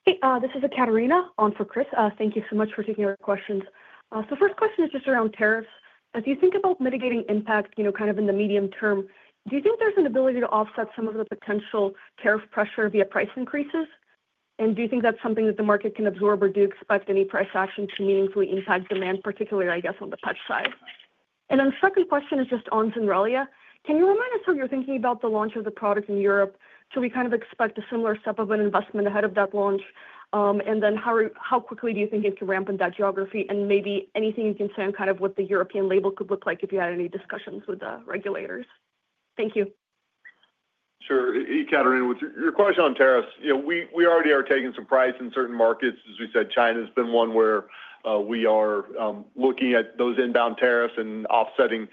Hey, this is Katarina on for Chris. Thank you so much for taking our questions. First question is just around tariffs. As you think about mitigating impact kind of in the medium term, do you think there is an ability to offset some of the potential tariff pressure via price increases? Do you think that is something that the market can absorb or do you expect any price action to meaningfully impact demand, particularly, I guess, on the pet side? Second question is just on Zenrelia. Can you remind us how you're thinking about the launch of the product in Europe? We kind of expect a similar step of an investment ahead of that launch. How quickly do you think it could ramp in that geography? Maybe anything you can say on what the European label could look like if you had any discussions with the regulators? Thank you. Sure. Katarina, your question on tariffs, we already are taking some price in certain markets. As we said, China has been one where we are looking at those inbound tariffs and offsetting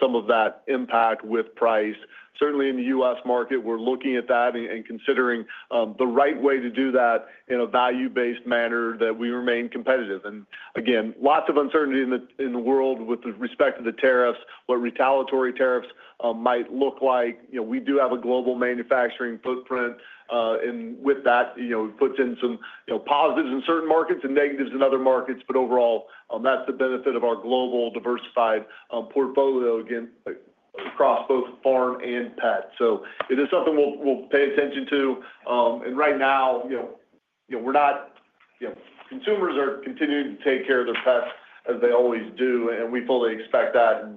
some of that impact with price. Certainly, in the U.S. market, we're looking at that and considering the right way to do that in a value-based manner that we remain competitive. Again, lots of uncertainty in the world with respect to the tariffs, what retaliatory tariffs might look like. We do have a global manufacturing footprint, and with that, it puts in some positives in certain markets and negatives in other markets. Overall, that is the benefit of our global diversified portfolio across both farm and pet. It is something we will pay attention to. Right now, consumers are continuing to take care of their pets as they always do, and we fully expect that. It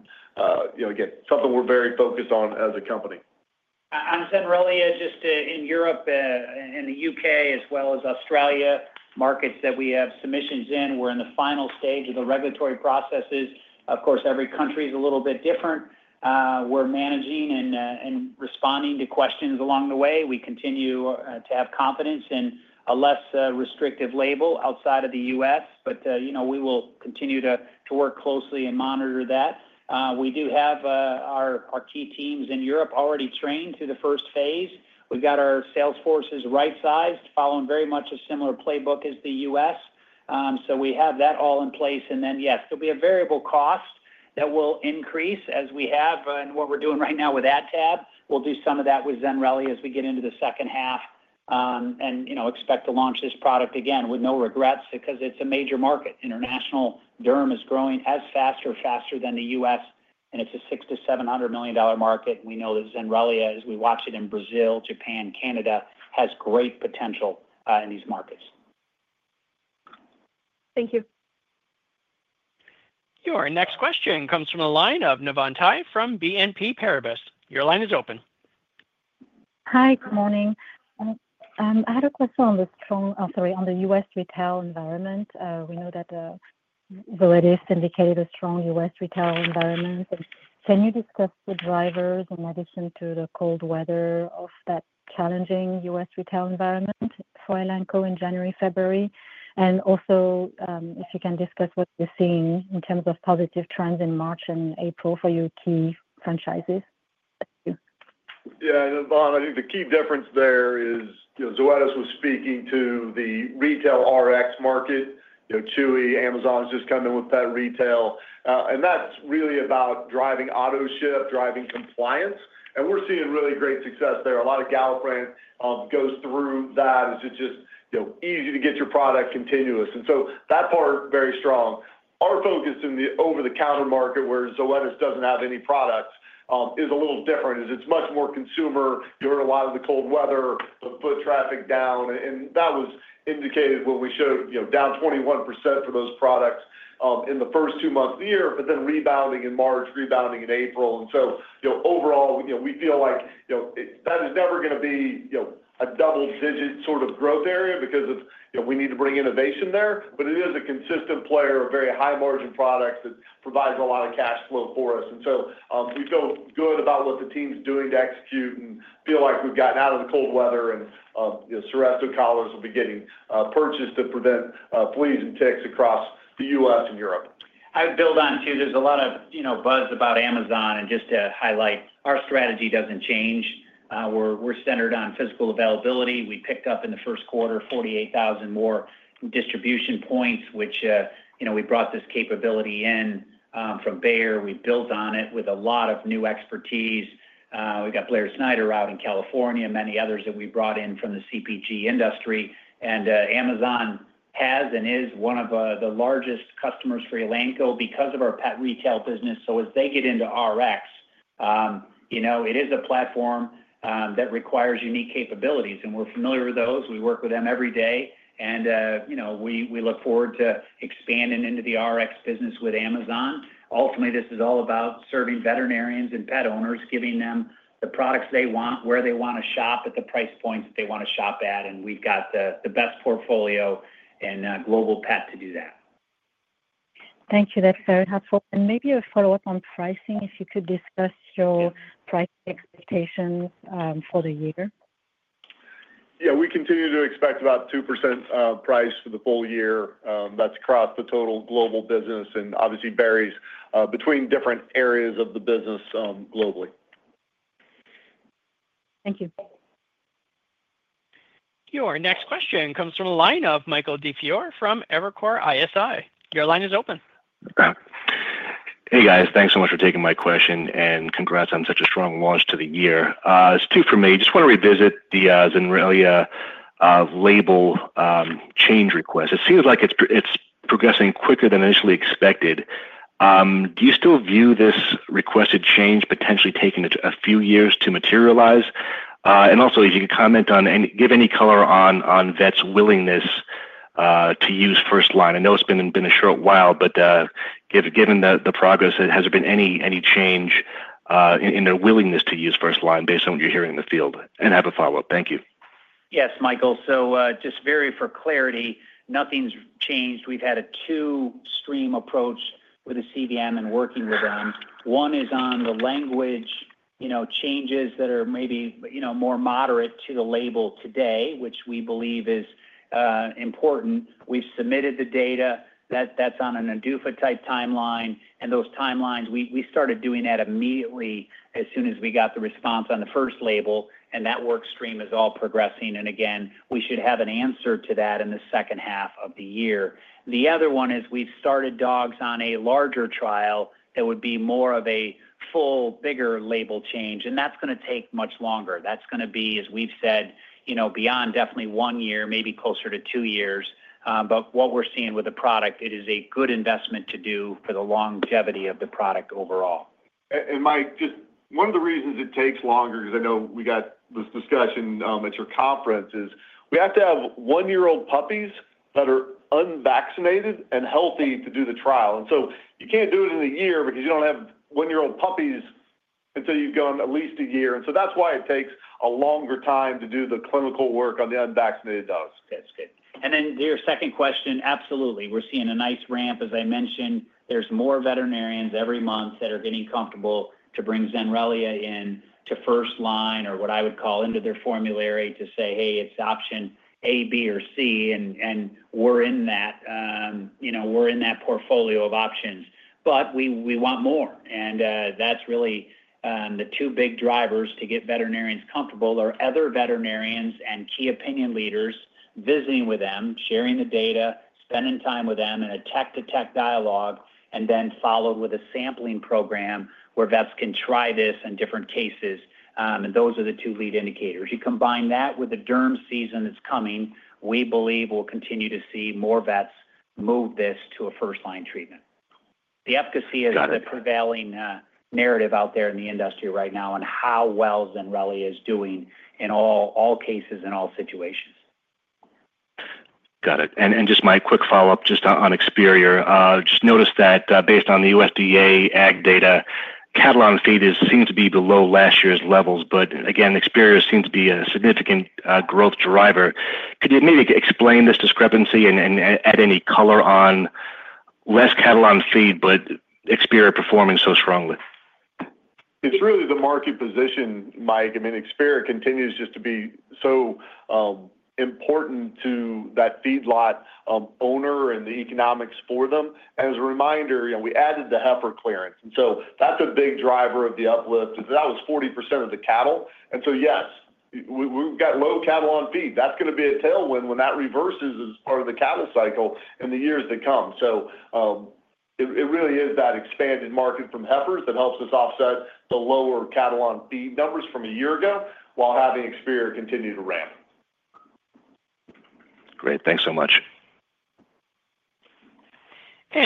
is something we are very focused on as a company. On Zenrelia, just in Europe and the U.K. as well as Australia, markets that we have submissions in, we are in the final stage of the regulatory processes. Of course, every country is a little bit different. We are managing and responding to questions along the way. We continue to have confidence in a less restrictive label outside of the U.S., but we will continue to work closely and monitor that. We do have our key teams in Europe already trained through the first phase. We've got our sales forces right-sized, following very much a similar playbook as the U.S. We have that all in place. Yes, there will be a variable cost that will increase as we have and what we're doing right now with AdTab. We'll do some of that with Zenrelia as we get into the second half and expect to launch this product again with no regrets because it's a major market. International derm is growing as fast or faster than the U.S., and it's a $600 million-$700 million market. We know that Zenrelia, as we watch it in Brazil, Japan, Canada, has great potential in these markets. Thank you. Your next question comes from a line of Navante from BNP Paribas. Your line is open. Hi, good morning. I had a question on the strong, sorry, on the U.S. retail environment. We know that the latest indicator is a strong U.S. retail environment. Can you discuss the drivers in addition to the cold weather of that challenging U.S. retail environment for Elanco in January-February? And also, if you can discuss what you're seeing in terms of positive trends in March-April for your key franchises. Yeah. And Navante, I think the key difference there is Zoetis was speaking to the retail RX market. Chewy, Amazon's just coming with pet retail. That is really about driving auto ship, driving compliance. We are seeing really great success there. A lot of Galliprant goes through that. It is just easy to get your product continuous. That part is very strong. Our focus in the over-the-counter market where Zoetis doesn't have any products is a little different. It's much more consumer. You heard a lot of the cold weather, the foot traffic down. That was indicated when we showed down 21% for those products in the first two months of the year, but then rebounding in March, rebounding in April. Overall, we feel like that is never going to be a double-digit sort of growth area because we need to bring innovation there. It is a consistent player of very high-margin products that provides a lot of cash flow for us. We feel good about what the team's doing to execute and feel like we've gotten out of the cold weather. Seresto collars will be getting purchased to prevent fleas and ticks across the U.S. and Europe. I'd build on too. is a lot of buzz about Amazon. Just to highlight, our strategy does not change. We are centered on physical availability. We picked up in the first quarter 48,000 more distribution points, which we brought this capability in from Bayer. We built on it with a lot of new expertise. We have got Blair Snyder out in California, many others that we brought in from the CPG industry. Amazon has and is one of the largest customers for Elanco because of our pet retail business. As they get into RX, it is a platform that requires unique capabilities. We are familiar with those. We work with them every day. We look forward to expanding into the RX business with Amazon. Ultimately, this is all about serving veterinarians and pet owners, giving them the products they want, where they want to shop, at the price points that they want to shop at. We have got the best portfolio and global pet to do that. Thank you. That is very helpful. Maybe a follow-up on pricing, if you could discuss your pricing expectations for the year. Yeah. We continue to expect about 2% price for the full year. That is across the total global business and obviously varies between different areas of the business globally. Thank you. Your next question comes from a line of Michael DiFiore from Evercore ISI. Your line is open. Hey, guys. Thanks so much for taking my question and congrats on such a strong launch to the year. It is two for me. Just want to revisit the Zenrelia label change request. It seems like it's progressing quicker than initially expected. Do you still view this requested change potentially taking a few years to materialize? If you could comment on and give any color on vets' willingness to use first-line. I know it's been a short while, but given the progress, has there been any change in their willingness to use first-line based on what you're hearing in the field? I have a follow-up. Thank you. Yes, Michael. Just for clarity, nothing's changed. We've had a two-stream approach with the CVM and working with them. One is on the language changes that are maybe more moderate to the label today, which we believe is important. We've submitted the data. That's on an ADUFA-type timeline. Those timelines, we started doing that immediately as soon as we got the response on the first label. That work stream is all progressing. Again, we should have an answer to that in the second half of the year. The other one is we've started dogs on a larger trial that would be more of a full, bigger label change. That is going to take much longer. That is going to be, as we've said, beyond definitely one year, maybe closer to two years. What we're seeing with the product, it is a good investment to do for the longevity of the product overall. Mike, just one of the reasons it takes longer, because I know we got this discussion at your conference, is we have to have one-year-old puppies that are unvaccinated and healthy to do the trial. You can't do it in a year because you don't have one-year-old puppies until you've gone at least a year. That is why it takes a longer time to do the clinical work on the unvaccinated dogs. That is good. To your second question, absolutely. We are seeing a nice ramp. As I mentioned, there are more veterinarians every month that are getting comfortable to bring Zenrelia into first-line or what I would call into their formulary to say, "Hey, it is option A, B, or C," and we are in that. We are in that portfolio of options. We want more. The two big drivers to get veterinarians comfortable are other veterinarians and key opinion leaders visiting with them, sharing the data, spending time with them, and a tech-to-tech dialogue, followed with a sampling program where vets can try this in different cases. Those are the two lead indicators. You combine that with the derm season that's coming, we believe we'll continue to see more vets move this to a first-line treatment. The efficacy is the prevailing narrative out there in the industry right now on how well Zenrelia is doing in all cases and all situations. Got it. And just my quick follow-up just on Experior. Just noticed that based on the USDA ag data, Cattle on Feed seems to be below last year's levels. But again, Experior seems to be a significant growth driver. Could you maybe explain this discrepancy and add any color on less Cattle on Feed, but Experior performing so strongly? It's really the market position, Mike. I mean, Experior continues just to be so important to that feedlot owner and the economics for them. And as a reminder, we added the heifer clearance. And so that's a big driver of the uplift. That was 40% of the cattle. Yes, we've got low Cattle on Feed. That's going to be a tailwind when that reverses as part of the cattle cycle in the years to come. It really is that expanded market from heifers that helps us offset the lower Cattle on Feed numbers from a year ago while having Experior continue to ramp. Great. Thanks so much.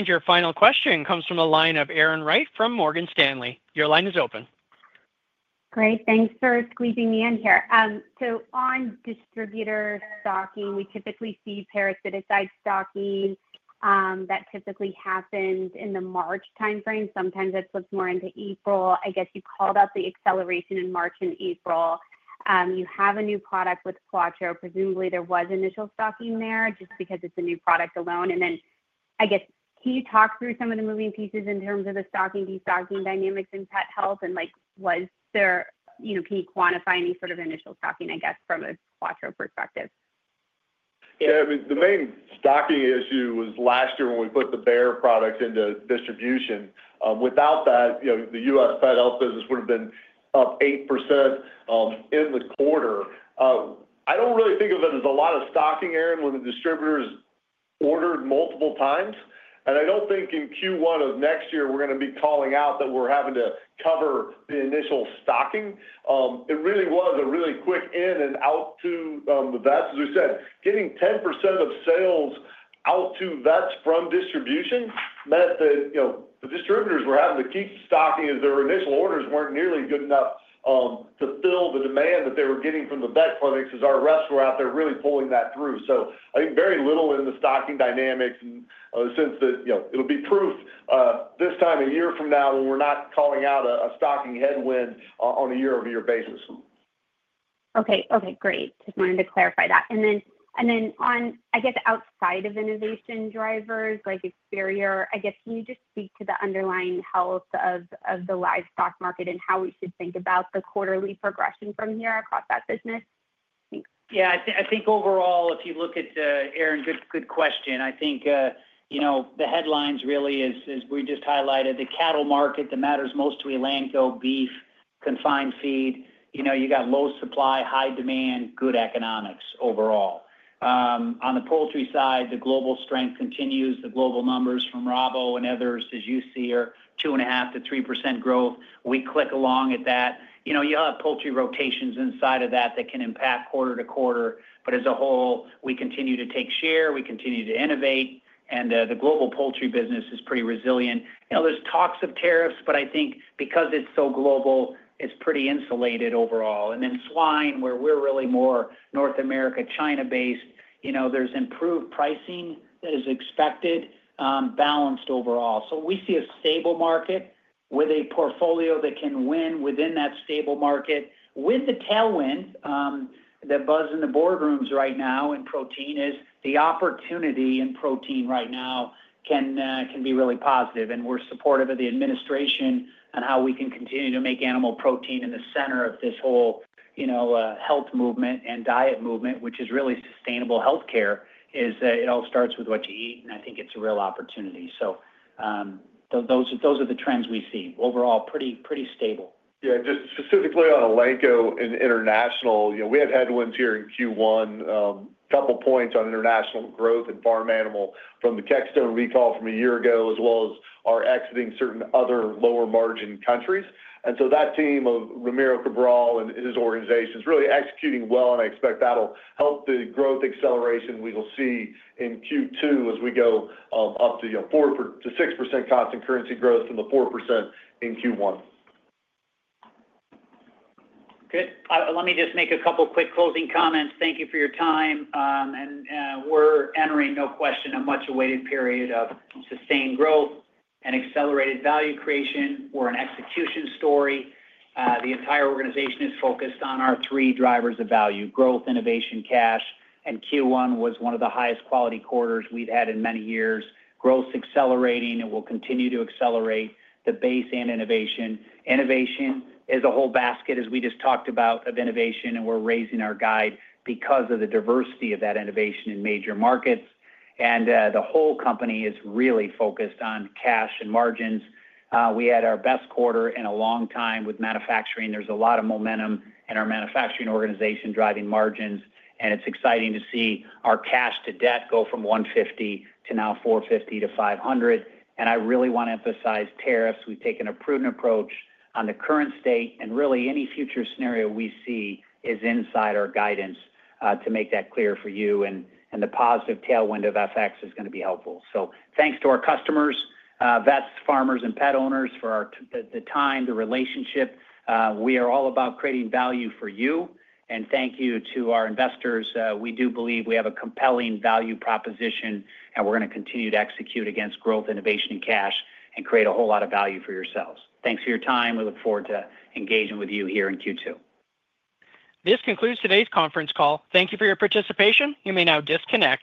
Your final question comes from a line of Aaron Wright from Morgan Stanley. Your line is open. Great. Thanks for [taking] me in here. On distributor stocking, we typically see parasiticide stocking. That typically happens in the March timeframe. Sometimes it slips more into April. I guess you called out the acceleration in March-April. You have a new product with Credelio Quattro. Presumably, there was initial stocking there just because it's a new product alone. I guess, can you talk through some of the moving pieces in terms of the stocking, de-stocking dynamics in pet health? Can you quantify any sort of initial stocking, I guess, from a Quattro perspective? Yeah. The main stocking issue was last year when we put the Bayer products into distribution. Without that, the U.S. pet health business would have been up 8% in the quarter. I do not really think of it as a lot of stocking, Aaron, when the distributors ordered multiple times. I do not think in Q1 of next year we are going to be calling out that we are having to cover the initial stocking. It really was a really quick in and out to the vets. As we said, getting 10% of sales out to vets from distribution meant that the distributors were having to keep stocking as their initial orders were not nearly good enough to fill the demand that they were getting from the vet clinics as our reps were out there really pulling that through. I think very little in the stocking dynamics in the sense that it will be proof this time a year from now when we are not calling out a stocking headwind on a year-over-year basis. Okay. Okay. Great. Just wanted to clarify that. Then on, I guess, outside of innovation drivers like Experior, can you just speak to the underlying health of the livestock market and how we should think about the quarterly progression from here across that business? Yeah. I think overall, if you look at Aaron, good question. I think the headlines really, as we just highlighted, the cattle market that matters most to Elanco, beef, confined feed, you got low supply, high demand, good economics overall. On the poultry side, the global strength continues. The global numbers from Rabo and others, as you see, are 2.5-3% growth. We click along at that. You'll have poultry rotations inside of that that can impact quarter to quarter. As a whole, we continue to take share. We continue to innovate. The global poultry business is pretty resilient. There's talks of tariffs, but I think because it's so global, it's pretty insulated overall. Then swine, where we're really more North America, China-based, there's improved pricing that is expected, balanced overall. We see a stable market with a portfolio that can win within that stable market. With the tailwind that buzzes in the boardrooms right now in protein, the opportunity in protein right now can be really positive. We are supportive of the administration and how we can continue to make animal protein in the center of this whole health movement and diet movement, which is really sustainable healthcare, is that it all starts with what you eat. I think it is a real opportunity. Those are the trends we see. Overall, pretty stable. Yeah. Just specifically on Elanco and international, we had headwinds here in Q1, a couple of points on international growth and farm animal from the Keystone recall from a year ago, as well as our exiting certain other lower-margin countries. That team of Romero Cabral and his organization is really executing well. I expect that'll help the growth acceleration we will see in Q2 as we go up to 6% constant currency growth from the 4% in Q1. Good. Let me just make a couple of quick closing comments. Thank you for your time. We're entering, no question, a much-awaited period of sustained growth and accelerated value creation. We're an execution story. The entire organization is focused on our three drivers of value: growth, innovation, cash. Q1 was one of the highest-quality quarters we've had in many years. Growth's accelerating, and we'll continue to accelerate the base and innovation. Innovation is a whole basket, as we just talked about, of innovation. We're raising our guide because of the diversity of that innovation in major markets. The whole company is really focused on cash and margins. We had our best quarter in a long time with manufacturing. There's a lot of momentum in our manufacturing organization driving margins. It's exciting to see our cash-to-debt go from $150 to now $450-$500. I really want to emphasize tariffs. We've taken a prudent approach on the current state. Really, any future scenario we see is inside our guidance to make that clear for you. The positive tailwind of FX is going to be helpful. Thanks to our customers, vets, farmers, and pet owners for the time, the relationship. We are all about creating value for you. Thank you to our investors. We do believe we have a compelling value proposition. We're going to continue to execute against growth, innovation, and cash and create a whole lot of value for yourselves. Thanks for your time. We look forward to engaging with you here in Q2. This concludes today's conference call. Thank you for your participation. You may now disconnect.